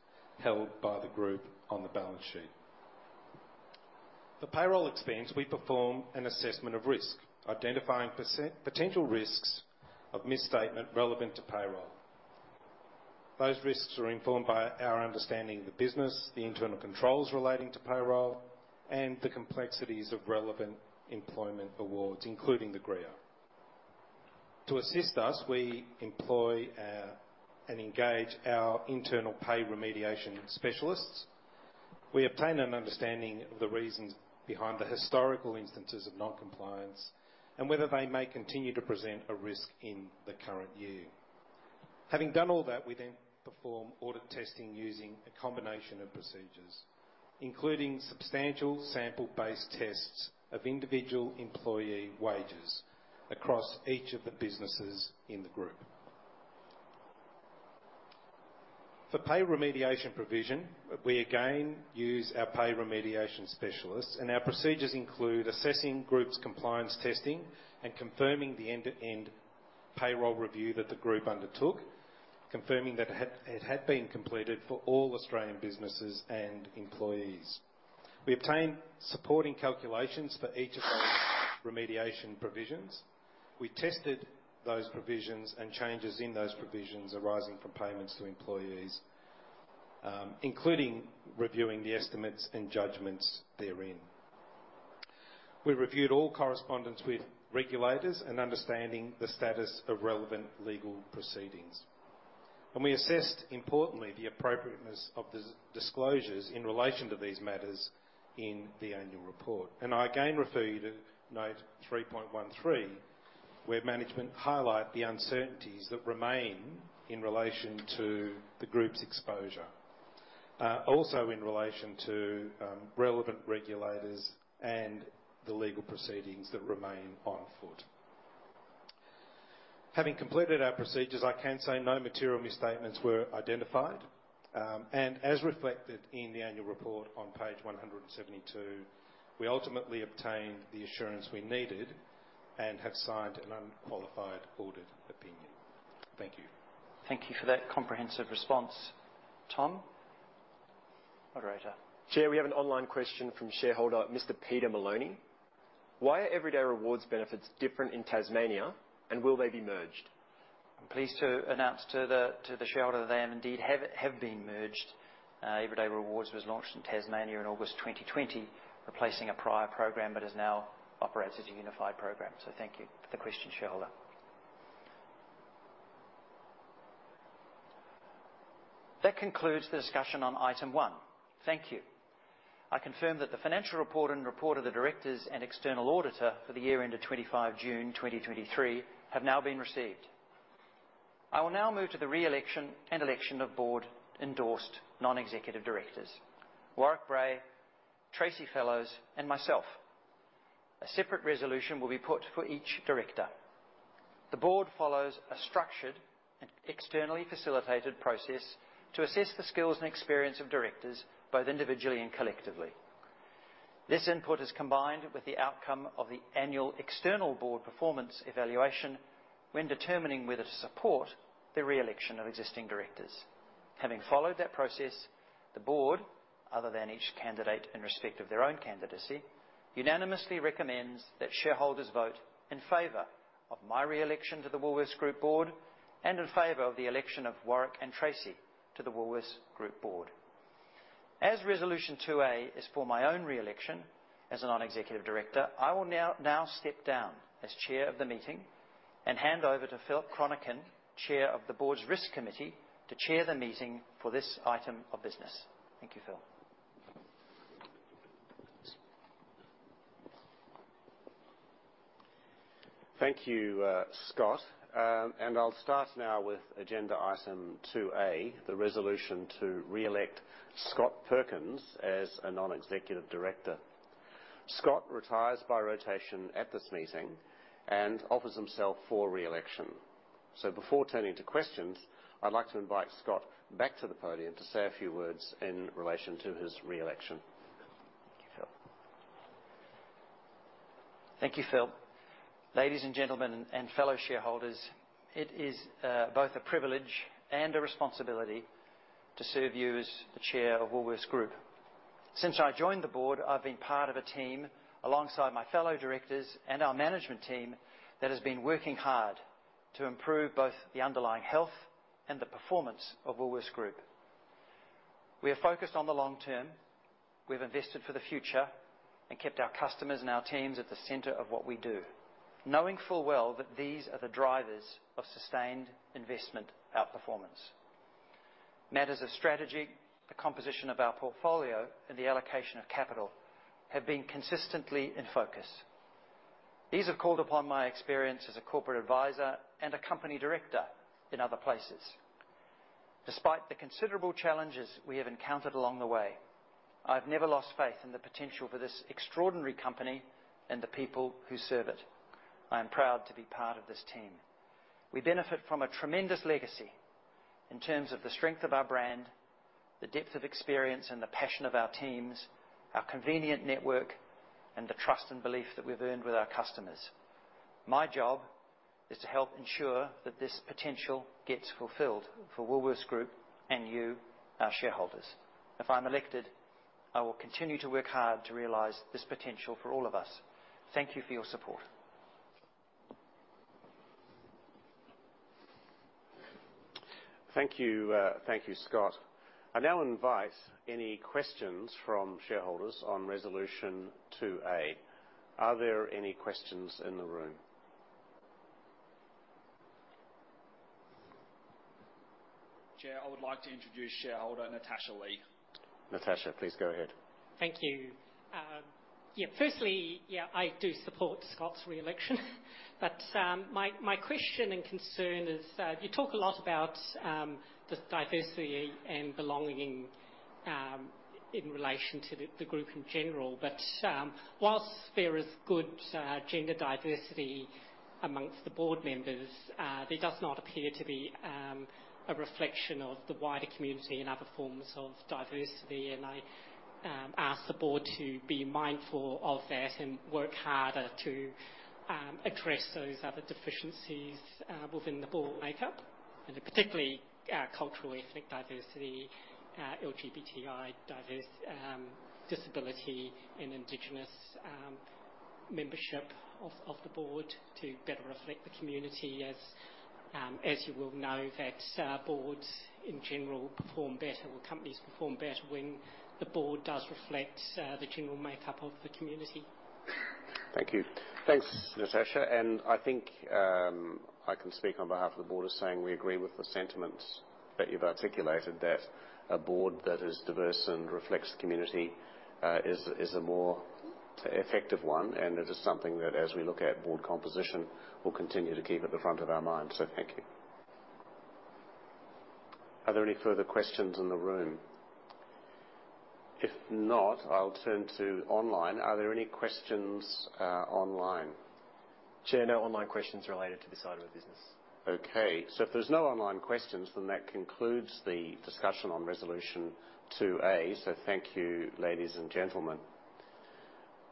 held by the group on the balance sheet. For payroll expense, we perform an assessment of risk, identifying potential risks of misstatement relevant to payroll. Those risks are informed by our understanding of the business, the internal controls relating to payroll, and the complexities of relevant employment awards, including the GRIA. To assist us, we employ our and engage our internal pay remediation specialists. We obtain an understanding of the reasons behind the historical instances of non-compliance and whether they may continue to present a risk in the current year. Having done all that, we then perform audit testing using a combination of procedures, including substantial sample-based tests of individual employee wages across each of the businesses in the group. For pay remediation provision, we again use our pay remediation specialists, and our procedures include assessing group's compliance testing and confirming the end-to-end payroll review that the group undertook, confirming that it had, it had been completed for all Australian businesses and employees. We obtained supporting calculations for each of those remediation provisions. We tested those provisions and changes in those provisions arising from payments to employees, including reviewing the estimates and judgments therein. We reviewed all correspondence with regulators and understanding the status of relevant legal proceedings. We assessed, importantly, the appropriateness of the disclosures in relation to these matters in the annual report. I again refer you to Note 3.13, where management highlight the uncertainties that remain in relation to the group's exposure. Also in relation to relevant regulators and the legal proceedings that remain on foot. Having completed our procedures, I can say no material misstatements were identified, and as reflected in the annual report on page 172, we ultimately obtained the assurance we needed and have signed an unqualified audited opinion. Thank you. Thank you for that comprehensive response. Tom? Moderator. Chair, we have an online question from shareholder Mr. Peter Maloney: "Why are Everyday Rewards benefits different in Tasmania, and will they be merged? I'm pleased to announce to the shareholder, they indeed have been merged. Everyday Rewards was launched in Tasmania in August 2020, replacing a prior program, but is now operates as a unified program. So thank you for the question, shareholder. That concludes the discussion on item one. Thank you. I confirm that the financial report and report of the directors and external auditor for the year ended June 25 2023, have now been received. I will now move to the re-election and election of board-endorsed non-executive directors, Warwick Bray, Tracey Fellows, and myself. A separate resolution will be put for each director. The board follows a structured and externally facilitated process to assess the skills and experience of directors, both individually and collectively. This input is combined with the outcome of the annual external board performance evaluation when determining whether to support the re-election of existing directors. Having followed that process, the board, other than each candidate in respect of their own candidacy, unanimously recommends that shareholders vote in favor of my re-election to the Woolworths Group Board and in favor of the election of Warwick and Tracey to the Woolworths Group Board. As Resolution 2a is for my own re-election as a non-executive director, I will now step down as chair of the meeting and hand over to Phil Cronican, chair of the board's Risk Committee, to chair the meeting for this item of business. Thank you, Phil. Thank you, Scott. I'll start now with agenda item 2a, the resolution to re-elect Scott Perkins as a non-executive director. Scott retires by rotation at this meeting and offers himself for re-election. Before turning to questions, I'd like to invite Scott back to the podium to say a few words in relation to his re-election. Thank you, Phil. Thank you, Phil. Ladies and gentlemen, and fellow shareholders, it is both a privilege and a responsibility to serve you as the Chair of Woolworths Group. Since I joined the board, I've been part of a team, alongside my fellow directors and our management team, that has been working hard to improve both the underlying health and the performance of Woolworths Group. We are focused on the long term. We've invested for the future and kept our customers and our teams at the center of what we do, knowing full well that these are the drivers of sustained investment outperformance. Matters of strategy, the composition of our portfolio, and the allocation of capital have been consistently in focus. These have called upon my experience as a corporate advisor and a company director in other places. Despite the considerable challenges we have encountered along the way, I've never lost faith in the potential for this extraordinary company and the people who serve it. I am proud to be part of this team. We benefit from a tremendous legacy in terms of the strength of our brand, the depth of experience and the passion of our teams, our convenient network, and the trust and belief that we've earned with our customers. My job is to help ensure that this potential gets fulfilled for Woolworths Group and you, our shareholders. If I'm elected, I will continue to work hard to realize this potential for all of us. Thank you for your support. Thank you. Thank you, Scott. I now invite any questions from shareholders on Resolution 2a. Are there any questions in the room? Chair, I would like to introduce shareholder Natasha Lee. Natasha, please go ahead. Thank you. Yeah, firstly, yeah, I do support Scott's re-election. But my question and concern is, you talk a lot about the diversity and belonging in relation to the group in general. But whilst there is good gender diversity amongst the board members, there does not appear to be a reflection of the wider community in other forms of diversity. And I ask the board to be mindful of that and work harder to address those other deficiencies within the board makeup, and particularly cultural ethnic diversity, LGBTI, disability and indigenous membership of the board to better reflect the community. As you well know, that boards in general perform better or companies perform better when the board does reflect the general makeup of the community. Thank you. Thanks, Natasha, and I think, I can speak on behalf of the board as saying we agree with the sentiments that you've articulated, that a board that is diverse and reflects the community, is, is a more effective one, and it is something that, as we look at board composition, we'll continue to keep at the front of our minds. So thank you. Are there any further questions in the room? If not, I'll turn to online. Are there any questions, online? Chair, no online questions related to this item of business. Okay, so if there's no online questions, then that concludes the discussion on Resolution 2a. So thank you, ladies and gentlemen.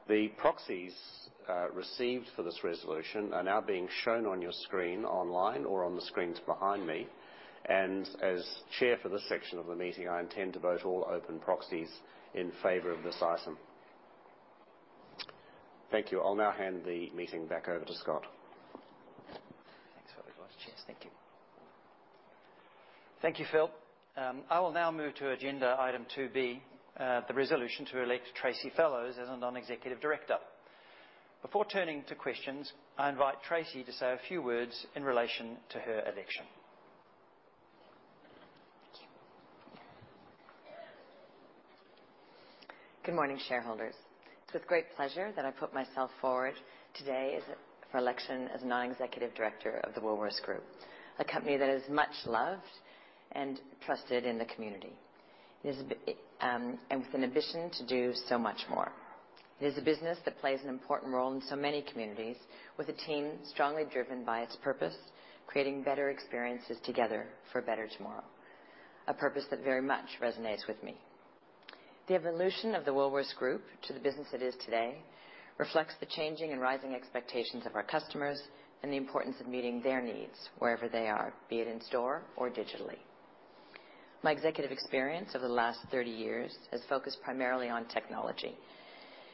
The proxies received for this resolution are now being shown on your screen, online or on the screens behind me. And as chair for this section of the meeting, I intend to vote all open proxies in favor of this item. Thank you. I'll now hand the meeting back over to Scott. Thanks very much, Chair. Thank you. Thank you, Phil. I will now move to agenda item 2b, the resolution to elect Tracey Fellows as a non-executive director. Before turning to questions, I invite Tracey to say a few words in relation to her election. Thank you. Good morning, shareholders. It's with great pleasure that I put myself forward today for election as a non-executive director of the Woolworths Group, a company that is much loved and trusted in the community. It is, and with an ambition to do so much more. It is a business that plays an important role in so many communities, with a team strongly driven by its purpose, "Creating better experiences together for a better tomorrow," a purpose that very much resonates with me. The evolution of the Woolworths Group to the business it is today reflects the changing and rising expectations of our customers and the importance of meeting their needs wherever they are, be it in store or digitally. My executive experience over the last 30 years has focused primarily on technology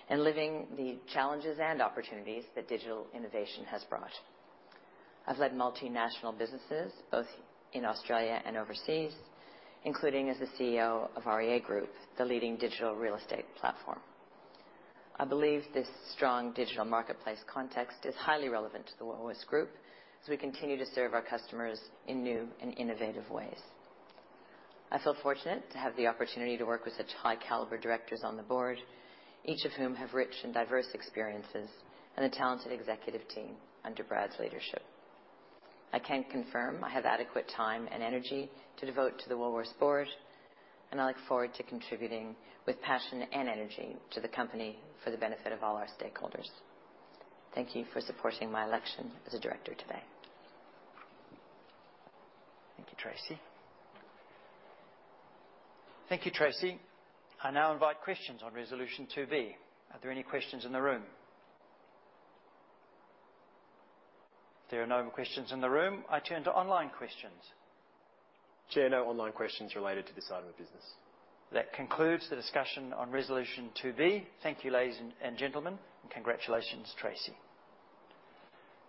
and living the challenges and opportunities that digital innovation has brought. I've led multinational businesses both in Australia and overseas, including as the CEO of REA Group, the leading digital real estate platform. I believe this strong digital marketplace context is highly relevant to the Woolworths Group, so we continue to serve our customers in new and innovative ways. I feel fortunate to have the opportunity to work with such high-caliber directors on the board, each of whom have rich and diverse experiences, and a talented executive team under Brad's leadership. I can confirm I have adequate time and energy to devote to the Woolworths board, and I look forward to contributing with passion and energy to the company for the benefit of all our stakeholders. Thank you for supporting my election as a director today. Thank you, Tracey. Thank you, Tracey. I now invite questions on Resolution 2b. Are there any questions in the room? If there are no more questions in the room, I turn to online questions. Chair, no online questions related to this item of business. That concludes the discussion on resolution 2b. Thank you, ladies and gentlemen, and congratulations, Tracey.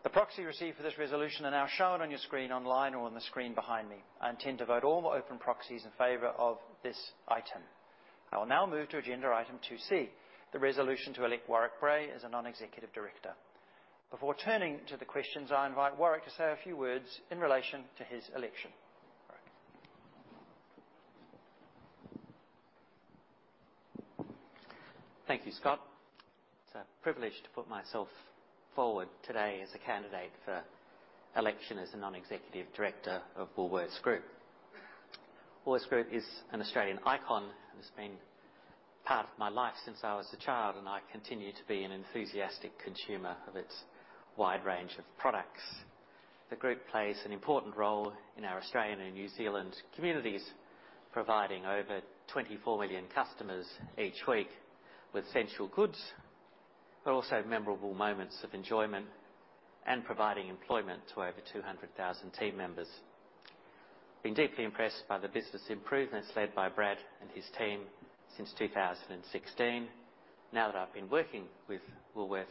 The proxy received for this resolution are now shown on your screen online or on the screen behind me. I intend to vote all the open proxies in favor of this item. I will now move to agenda item 2c, the resolution to elect Warwick Bray as a non-executive director. Before turning to the questions, I invite Warwick to say a few words in relation to his election. Warwick? Thank you, Scott. It's a privilege to put myself forward today as a candidate for election as a non-executive director of Woolworths Group. Woolworths Group is an Australian icon, and it's been part of my life since I was a child, and I continue to be an enthusiastic consumer of its wide range of products. The group plays an important role in our Australian and New Zealand communities, providing over 24 million customers each week with essential goods, but also memorable moments of enjoyment and providing employment to over 200,000 team members. I've been deeply impressed by the business improvements led by Brad and his team since 2016. Now that I've been working with Woolworths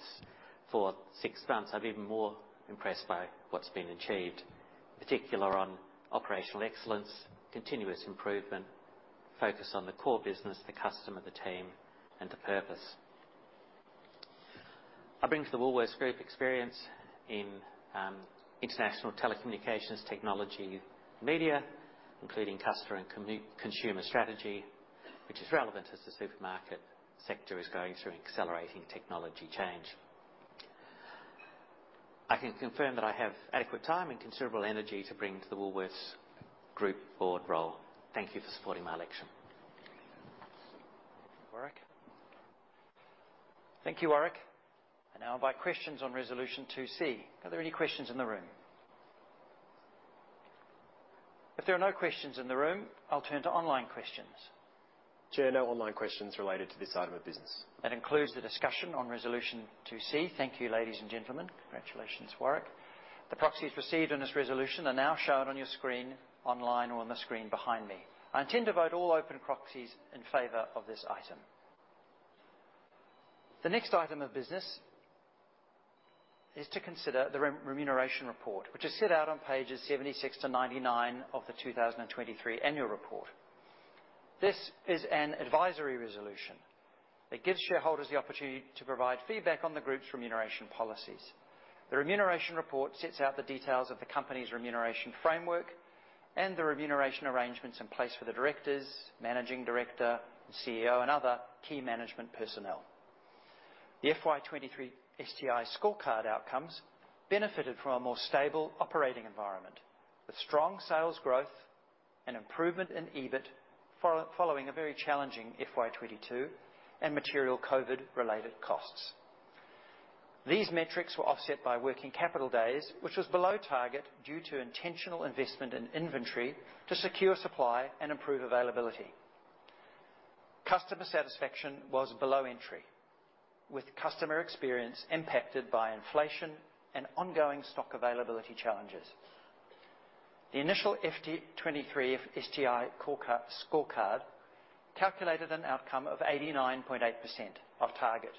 for six months, I'm even more impressed by what's been achieved, particularly on operational excellence, continuous improvement, focus on the core business, the customer, the team, and the purpose. I bring to the Woolworths Group experience in international telecommunications, technology, media, including customer and consumer strategy, which is relevant as the supermarket sector is going through an accelerating technology change. I can confirm that I have adequate time and considerable energy to bring to the Woolworths Group board role. Thank you for supporting my election. Warwick. Thank you, Warwick. I now invite questions on Resolution 2c. Are there any questions in the room? If there are no questions in the room, I'll turn to online questions. Chair, no online questions related to this item of business. That concludes the discussion on Resolution 2c. Thank you, ladies and gentlemen. Congratulations, Warwick. The proxies received on this resolution are now shown on your screen, online or on the screen behind me. I intend to vote all open proxies in favor of this item. The next item of business is to consider the remuneration report, which is set out on pages 76-99 of the 2023 annual report. This is an advisory resolution that gives shareholders the opportunity to provide feedback on the Group's remuneration policies. The remuneration report sets out the details of the company's remuneration framework and the remuneration arrangements in place for the directors, managing director, CEO, and other key management personnel. The FY 2023 STI scorecard outcomes benefited from a more stable operating environment, with strong sales growth and improvement in EBIT following a very challenging FY 2022 and material COVID-related costs. These metrics were offset by working capital days, which was below target due to intentional investment in inventory to secure supply and improve availability. Customer satisfaction was below target, with customer experience impacted by inflation and ongoing stock availability challenges. The initial FY 2023 STI scorecard calculated an outcome of 89.8% of target,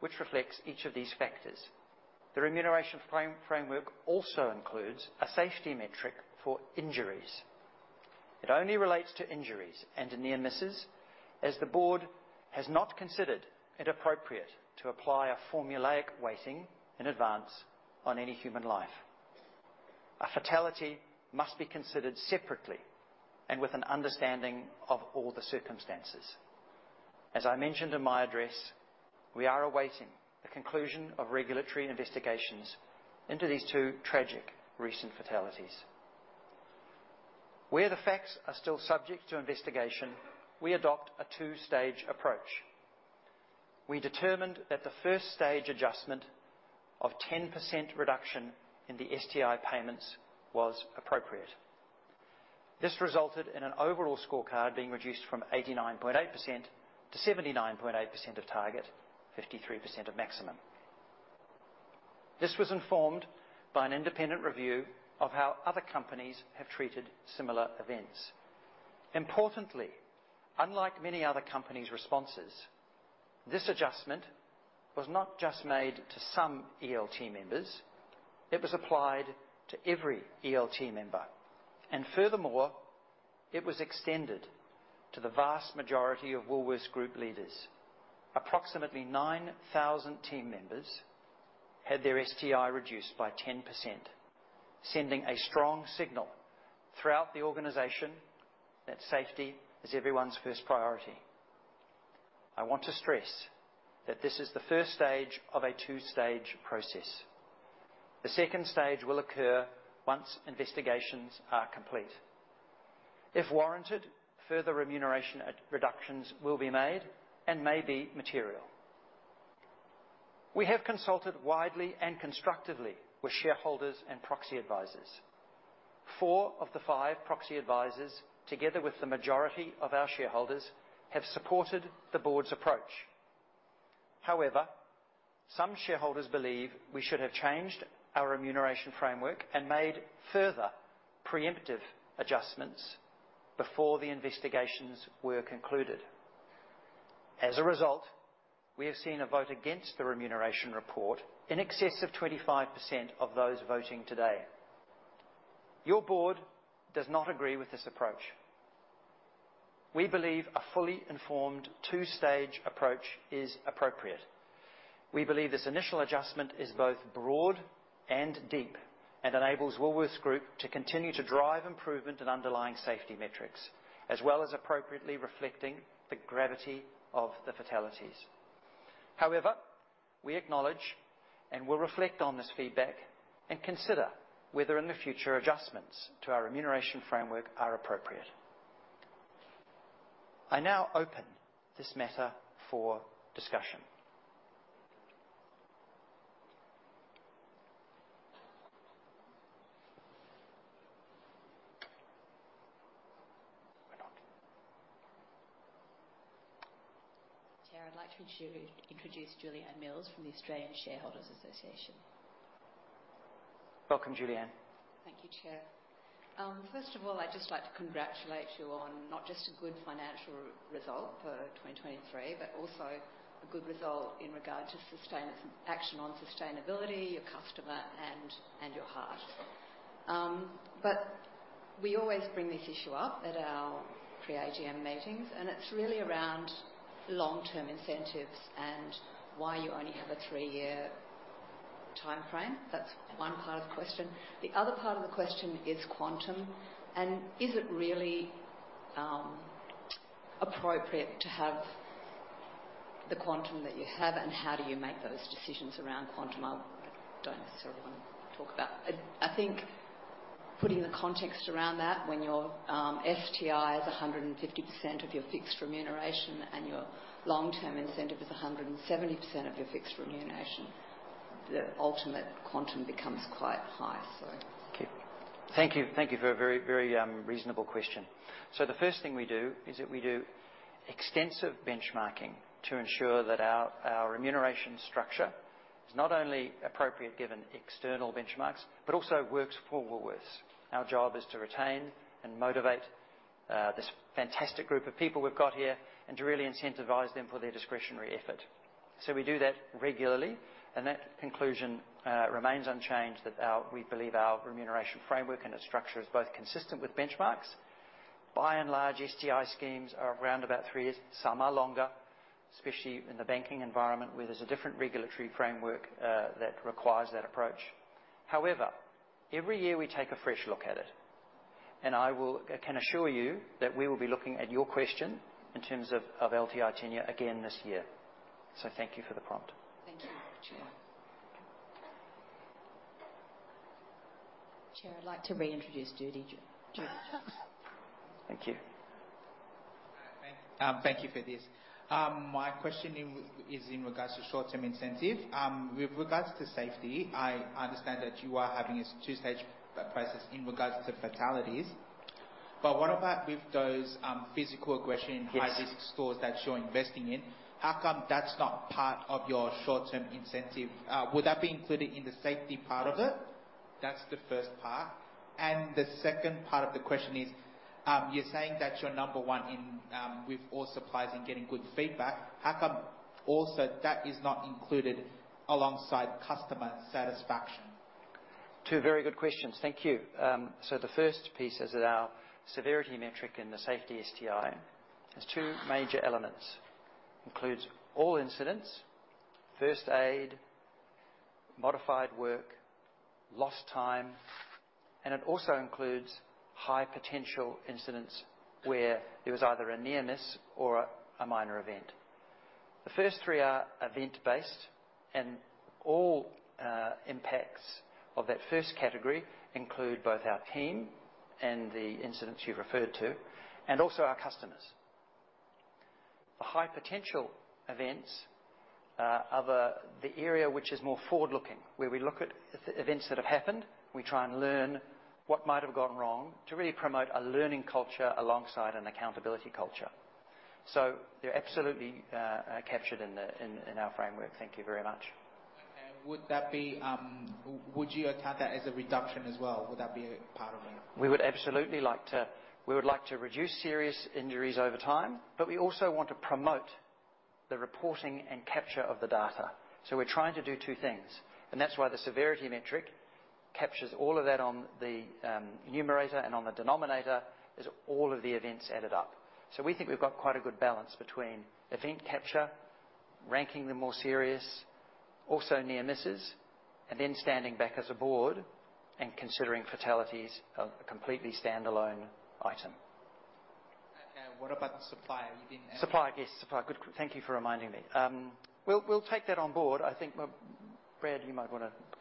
which reflects each of these factors. The remuneration framework also includes a safety metric for injuries. It only relates to injuries and to near misses, as the board has not considered it appropriate to apply a formulaic weighting in advance on any human life. A fatality must be considered separately and with an understanding of all the circumstances. As I mentioned in my address, we are awaiting the conclusion of regulatory investigations into these two tragic recent fatalities. Where the facts are still subject to investigation, we adopt a two-stage approach. We determined that the first stage adjustment of 10% reduction in the STI payments was appropriate. This resulted in an overall scorecard being reduced from 89.8%-79.8% of target, 53% of maximum. This was informed by an independent review of how other companies have treated similar events. Importantly, unlike many other companies' responses-... This adjustment was not just made to some ELT members, it was applied to every ELT member. And furthermore, it was extended to the vast majority of Woolworths Group leaders. Approximately 9,000 team members had their STI reduced by 10%, sending a strong signal throughout the organization that safety is everyone's first priority. I want to stress that this is the first stage of a two-stage process. The second stage will occur once investigations are complete. If warranted, further remuneration at reductions will be made and may be material. We have consulted widely and constructively with shareholders and proxy advisors. Four of the five proxy advisors, together with the majority of our shareholders, have supported the board's approach. However, some shareholders believe we should have changed our remuneration framework and made further preemptive adjustments before the investigations were concluded. As a result, we have seen a vote against the remuneration report in excess of 25% of those voting today. Your board does not agree with this approach. We believe a fully informed two-stage approach is appropriate. We believe this initial adjustment is both broad and deep, and enables Woolworths Group to continue to drive improvement in underlying safety metrics, as well as appropriately reflecting the gravity of the fatalities. However, we acknowledge and will reflect on this feedback and consider whether in the future, adjustments to our remuneration framework are appropriate. I now open this matter for discussion. Why not? Chair, I'd like to introduce Julieanne Mills from the Australian Shareholders Association. Welcome, Julianne. Thank you, Chair. First of all, I'd just like to congratulate you on not just a good financial result for 2023, but also a good result in regard to action on sustainability, your customer, and your heart. But we always bring this issue up at our pre-AGM meetings, and it's really around long-term incentives and why you only have a three-year timeframe. That's one part of the question. The other part of the question is quantum, and is it really appropriate to have the quantum that you have, and how do you make those decisions around quantum? I don't necessarily want to talk about... I think putting the context around that, when your STI is 150% of your fixed remuneration and your long-term incentive is 170% of your fixed remuneration, the ultimate quantum becomes quite high. So- Okay. Thank you. Thank you for a very, very reasonable question. So the first thing we do is that we do extensive benchmarking to ensure that our remuneration structure is not only appropriate given external benchmarks, but also works for Woolworths. Our job is to retain and motivate this fantastic group of people we've got here, and to really incentivize them for their discretionary effort. So we do that regularly, and that conclusion remains unchanged, that our we believe our remuneration framework and its structure is both consistent with benchmarks. By and large, STI schemes are around about three years. Some are longer, especially in the banking environment, where there's a different regulatory framework that requires that approach. However, every year we take a fresh look at it, and I will, I can assure you that we will be looking at your question in terms of, of LTI tenure again this year. So thank you for the prompt. Thank you, Chair. Chair, I'd like to reintroduce Judy. Judy. Thank you. Thank you for this. My question is in regards to short-term incentive. With regards to safety, I understand that you are having a two-stage process in regards to fatalities, but what about with those physical aggression high-risk stores that you're investing in? How come that's not part of your short-term incentive? Would that be included in the safety part of it? That's the first part. And the second part of the question is, you're saying that you're number one in with all suppliers in getting good feedback. How come also that is not included alongside customer satisfaction? Two very good questions. Thank you. So the first piece is that our severity metric in the safety STI has two major elements. Includes all incidents, first aid, modified work, lost time, and it also includes high potential incidents where there was either a near-miss or a minor event. The first three are event-based, and all impacts of that first category include both our team and the incidents you've referred to, and also our customers. The high potential events are the area which is more forward-looking, where we look at the events that have happened, we try and learn what might have gone wrong to really promote a learning culture alongside an accountability culture. So they're absolutely captured in our framework. Thank you very much.... could that be, would you account that as a reduction as well? Would that be a part of it? We would absolutely like to. We would like to reduce serious injuries over time, but we also want to promote the reporting and capture of the data. So we're trying to do two things, and that's why the severity metric captures all of that on the numerator, and on the denominator is all of the events added up. So we think we've got quite a good balance between event capture, ranking the more serious, also near misses, and then standing back as a board and considering fatalities a completely standalone item. What about the supplier? You didn't- Supplier, yes. Supplier. Good, thank you for reminding me. We'll take that on board. I think, well, Brad, you might wanna comment on that.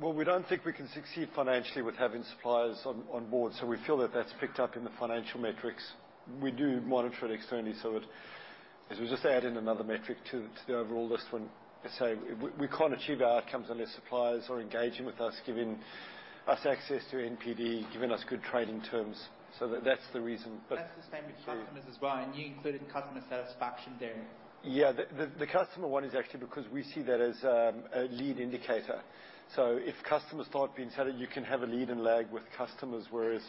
Well, we don't think we can succeed financially with having suppliers on board, so we feel that that's picked up in the financial metrics. We do monitor it externally, so it... As we just add in another metric to the overall list when I say we, we can't achieve our outcomes unless suppliers are engaging with us, giving us access to NPD, giving us good trading terms. So that, that's the reason, but- That's the same with customers as well, and you included customer satisfaction there. Yeah. The customer one is actually because we see that as a lead indicator. So if customers start being sadly, you can have a lead and lag with customers, whereas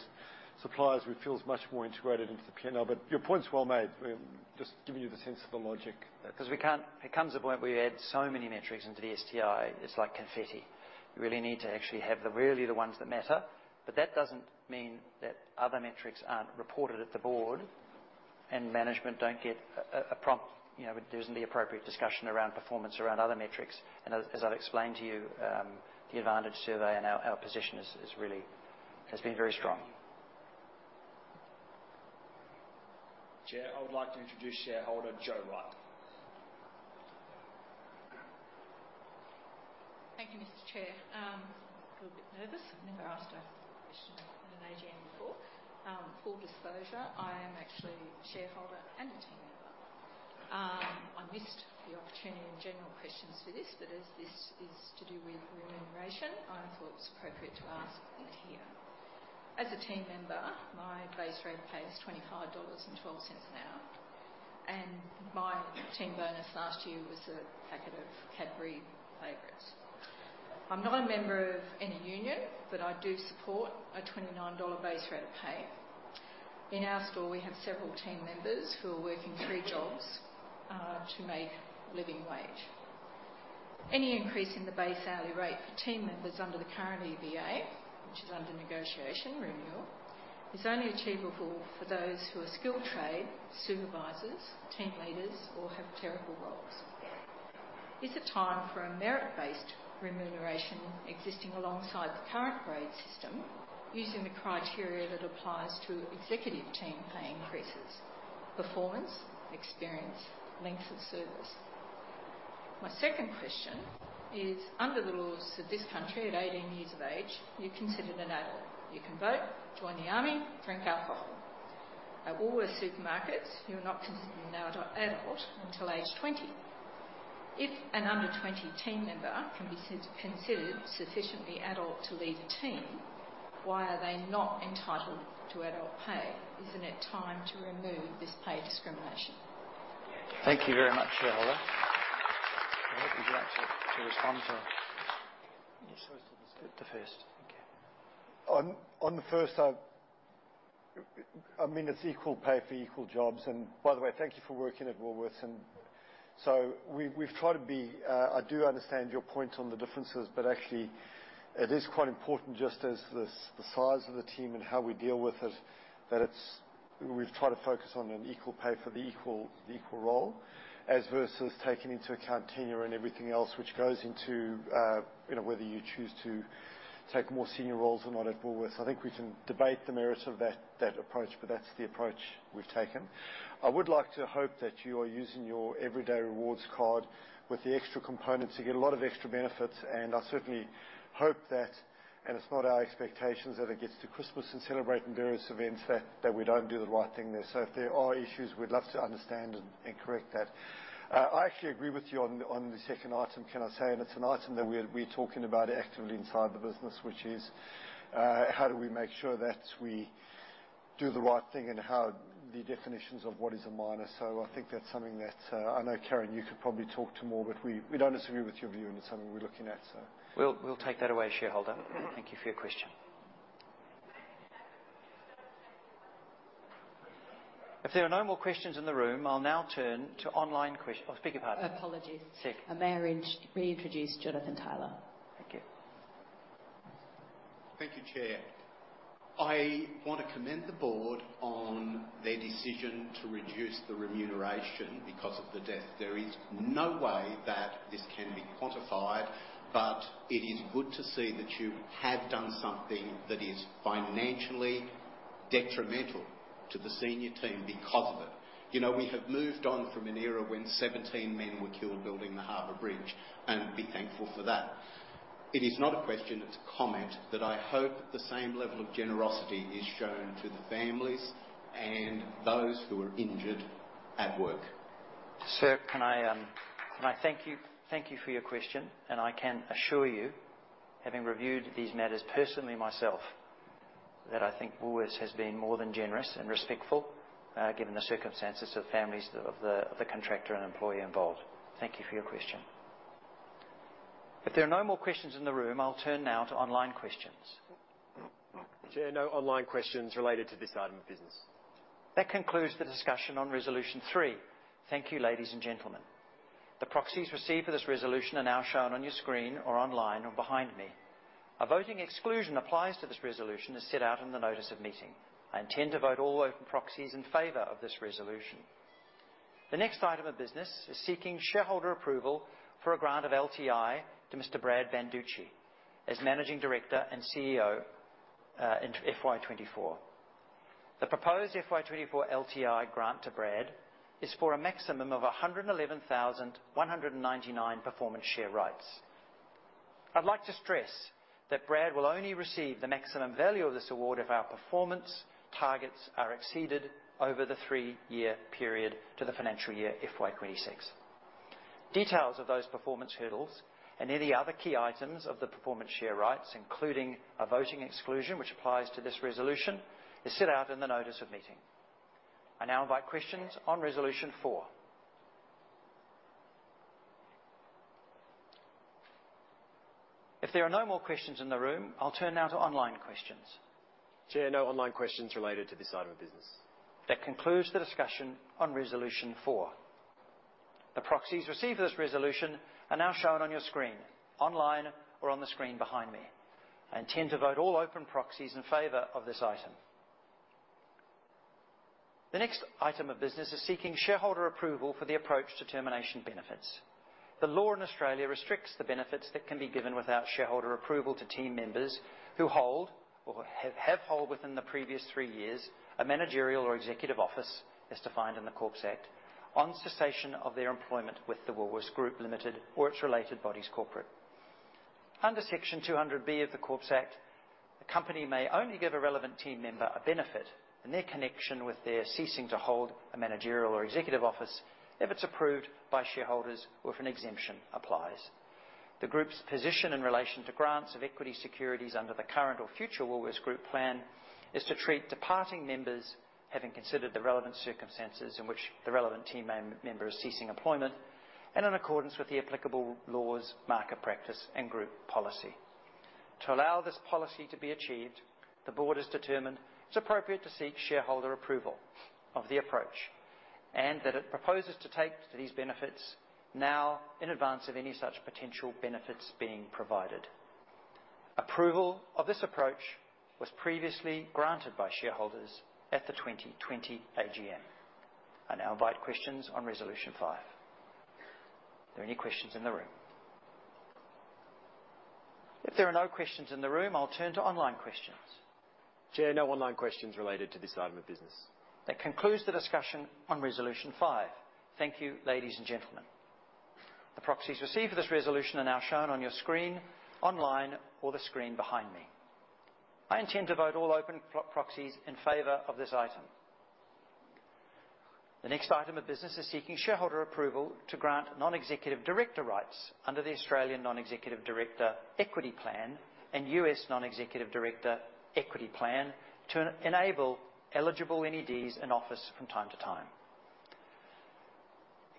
suppliers, we feel, is much more integrated into the P&L. But your point is well made. We're just giving you the sense of the logic. Yeah, 'cause we can't- it comes a point where you add so many metrics into the STI, it's like confetti. You really need to actually have the, really the ones that matter. But that doesn't mean that other metrics aren't reported at the board and management don't get a prompt. You know, there's the appropriate discussion around performance around other metrics. And as I've explained to you, the Advantage Survey and our position is really, has been very strong. Chair, I would like to introduce shareholder, Jo Wright. Thank you, Mr. Chair. I feel a bit nervous. I've never asked a question at an AGM before. Full disclosure, I am actually a shareholder and a team member. I missed the opportunity in general questions for this, but as this is to do with remuneration, I thought it was appropriate to ask it here. As a team member, my base rate pays $25.12 an hour, and my team bonus last year was a packet of Cadbury Favourites. I'm not a member of any union, but I do support a $29 base rate of pay. In our store, we have several team members who are working three jobs to make living wage. Any increase in the base hourly rate for team members under the current EBA, which is under negotiation renewal, is only achievable for those who are skilled trade, supervisors, team leaders, or have clerical roles. Is it time for a merit-based remuneration existing alongside the current grade system, using the criteria that applies to executive team pay increases: performance, experience, length of service? My second question is: under the rules of this country, at 18 years of age, you're considered an adult. You can vote, join the army, drink alcohol. At Woolworths Supermarkets, you're not considered an adult until age 20. If an under 20 team member can be considered sufficiently adult to lead a team, why are they not entitled to adult pay? Isn't it time to remove this pay discrimination? Thank you very much, shareholder. I hope you'd like to respond to... Yes, so the first. Thank you. On the first, I mean, it's equal pay for equal jobs. And by the way, thank you for working at Woolworths. And so we've tried to be. I do understand your point on the differences, but actually it is quite important, just as the size of the team and how we deal with it, that we've tried to focus on equal pay for the equal role, as versus taking into account tenure and everything else which goes into, you know, whether you choose to take more senior roles or not at Woolworths. I think we can debate the merits of that approach, but that's the approach we've taken. I would like to hope that you are using your Everyday Rewards card with the extra components. You get a lot of extra benefits, and I certainly hope that, and it's not our expectations, as it gets to Christmas and celebrating various events, that we don't do the right thing there. So if there are issues, we'd love to understand and correct that. I actually agree with you on the second item, can I say, and it's an item that we're talking about actively inside the business, which is how do we make sure that we do the right thing and how the definitions of what is a minor? So I think that's something that I know, Caryn, you could probably talk to more, but we don't disagree with your view, and it's something we're looking at, so. We'll take that away, shareholder. Thank you for your question. If there are no more questions in the room, I'll now turn to online questions. Oh, sorry. Pardon. Apologies. Sure. May I reintroduce Jonathan Taylor? Thank you. Thank you, Chair. I want to commend the board on their decision to reduce the remuneration because of the death. There is no way that this can be quantified, but it is good to see that you have done something that is financially detrimental to the senior team because of it. You know, we have moved on from an era when 17 men were killed building the Harbour Bridge, and be thankful for that. It is not a question, it's a comment, that I hope the same level of generosity is shown to the families and those who were injured at work. Sir, can I, can I thank you? Thank you for your question, and I can assure you, having reviewed these matters personally myself, that I think Woolworths has been more than generous and respectful, given the circumstances of families of the, the contractor and employee involved. Thank you for your question. If there are no more questions in the room, I'll turn now to online questions. Chair, no online questions related to this item of business. That concludes the discussion on resolution 3. Thank you, ladies and gentlemen. The proxies received for this resolution are now shown on your screen or online or behind me. A voting exclusion applies to this resolution, as set out in the notice of meeting. I intend to vote all open proxies in favor of this resolution. The next item of business is seeking shareholder approval for a grant of LTI to Mr. Brad Banducci as Managing Director and CEO in FY 2024. The proposed FY 2024 LTI grant to Brad is for a maximum of 111,199 performance share rights. I'd like to stress that Brad will only receive the maximum value of this award if our performance targets are exceeded over the three-year period to the financial year FY 2026. Details of those performance hurdles and any other key items of the performance share rights, including a voting exclusion, which applies to this resolution, is set out in the notice of meeting. I now invite questions on resolution four. If there are no more questions in the room, I'll turn now to online questions. Chair, no online questions related to this item of business. That concludes the discussion on resolution 4. The proxies received for this resolution are now shown on your screen, online, or on the screen behind me. I intend to vote all open proxies in favor of this item. The next item of business is seeking shareholder approval for the approach to termination benefits. The law in Australia restricts the benefits that can be given without shareholder approval to team members who hold or have, have held within the previous three years a managerial or executive office, as defined in the Corporations Act, on cessation of their employment with the Woolworths Group Limited or its related bodies corporate. Under Section 200B of the Corporations Act, a company may only give a relevant team member a benefit and their connection with their ceasing to hold a managerial or executive office if it's approved by shareholders or if an exemption applies. The Group's position in relation to grants of equity securities under the current or future Woolworths Group plan is to treat departing members, having considered the relevant circumstances in which the relevant team member is ceasing employment, and in accordance with the applicable laws, market practice, and group policy. To allow this policy to be achieved, the board has determined it's appropriate to seek shareholder approval of the approach and that it proposes to take to these benefits now in advance of any such potential benefits being provided. Approval of this approach was previously granted by shareholders at the 2020 AGM. I now invite questions on Resolution 5. Are there any questions in the room? If there are no questions in the room, I'll turn to online questions. Chair, no online questions related to this item of business. That concludes the discussion on resolution five. Thank you, ladies and gentlemen. The proxies received for this resolution are now shown on your screen, online, or the screen behind me. I intend to vote all open proxies in favor of this item. The next item of business is seeking shareholder approval to grant non-executive director rights under the Australian Non-Executive Director Equity Plan and U.S. Non-Executive Director Equity Plan to enable eligible NEDs in office from time to time.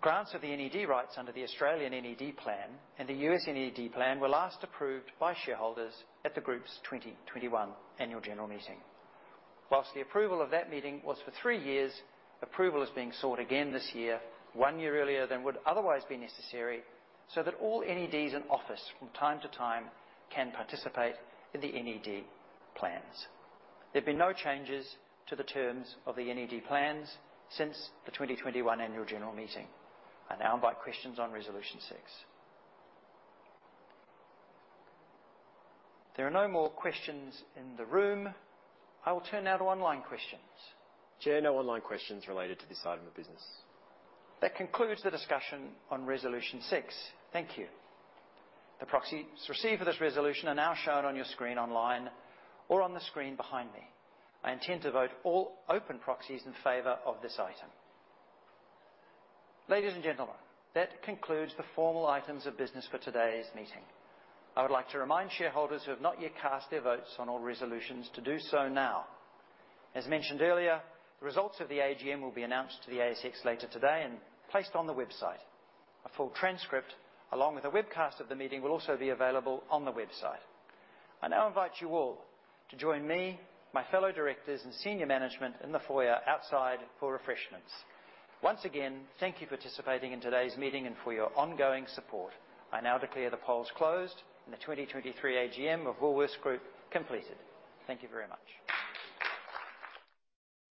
Grants of the NED rights under the Australian NED Plan and the U.S. NED Plan were last approved by shareholders at the Group's 2021 annual general meeting. Whilst the approval of that meeting was for three years, approval is being sought again this year, one year earlier than would otherwise be necessary, so that all NEDs in office from time to time can participate in the NED plans. There have been no changes to the terms of the NED plans since the 2021 annual general meeting. I now invite questions on Resolution 6. If there are no more questions in the room, I will turn now to online questions. Chair, no online questions related to this item of business. That concludes the discussion on Resolution 6. Thank you. The proxies received for this resolution are now shown on your screen, online, or on the screen behind me. I intend to vote all open proxies in favor of this item. Ladies and gentlemen, that concludes the formal items of business for today's meeting. I would like to remind shareholders who have not yet cast their votes on all resolutions to do so now. As mentioned earlier, the results of the AGM will be announced to the ASX later today and placed on the website. A full transcript, along with a webcast of the meeting, will also be available on the website. I now invite you all to join me, my fellow directors and senior management in the foyer outside for refreshments. Once again, thank you for participating in today's meeting and for your ongoing support. I now declare the polls closed and the 2023 AGM of Woolworths Group completed. Thank you very much.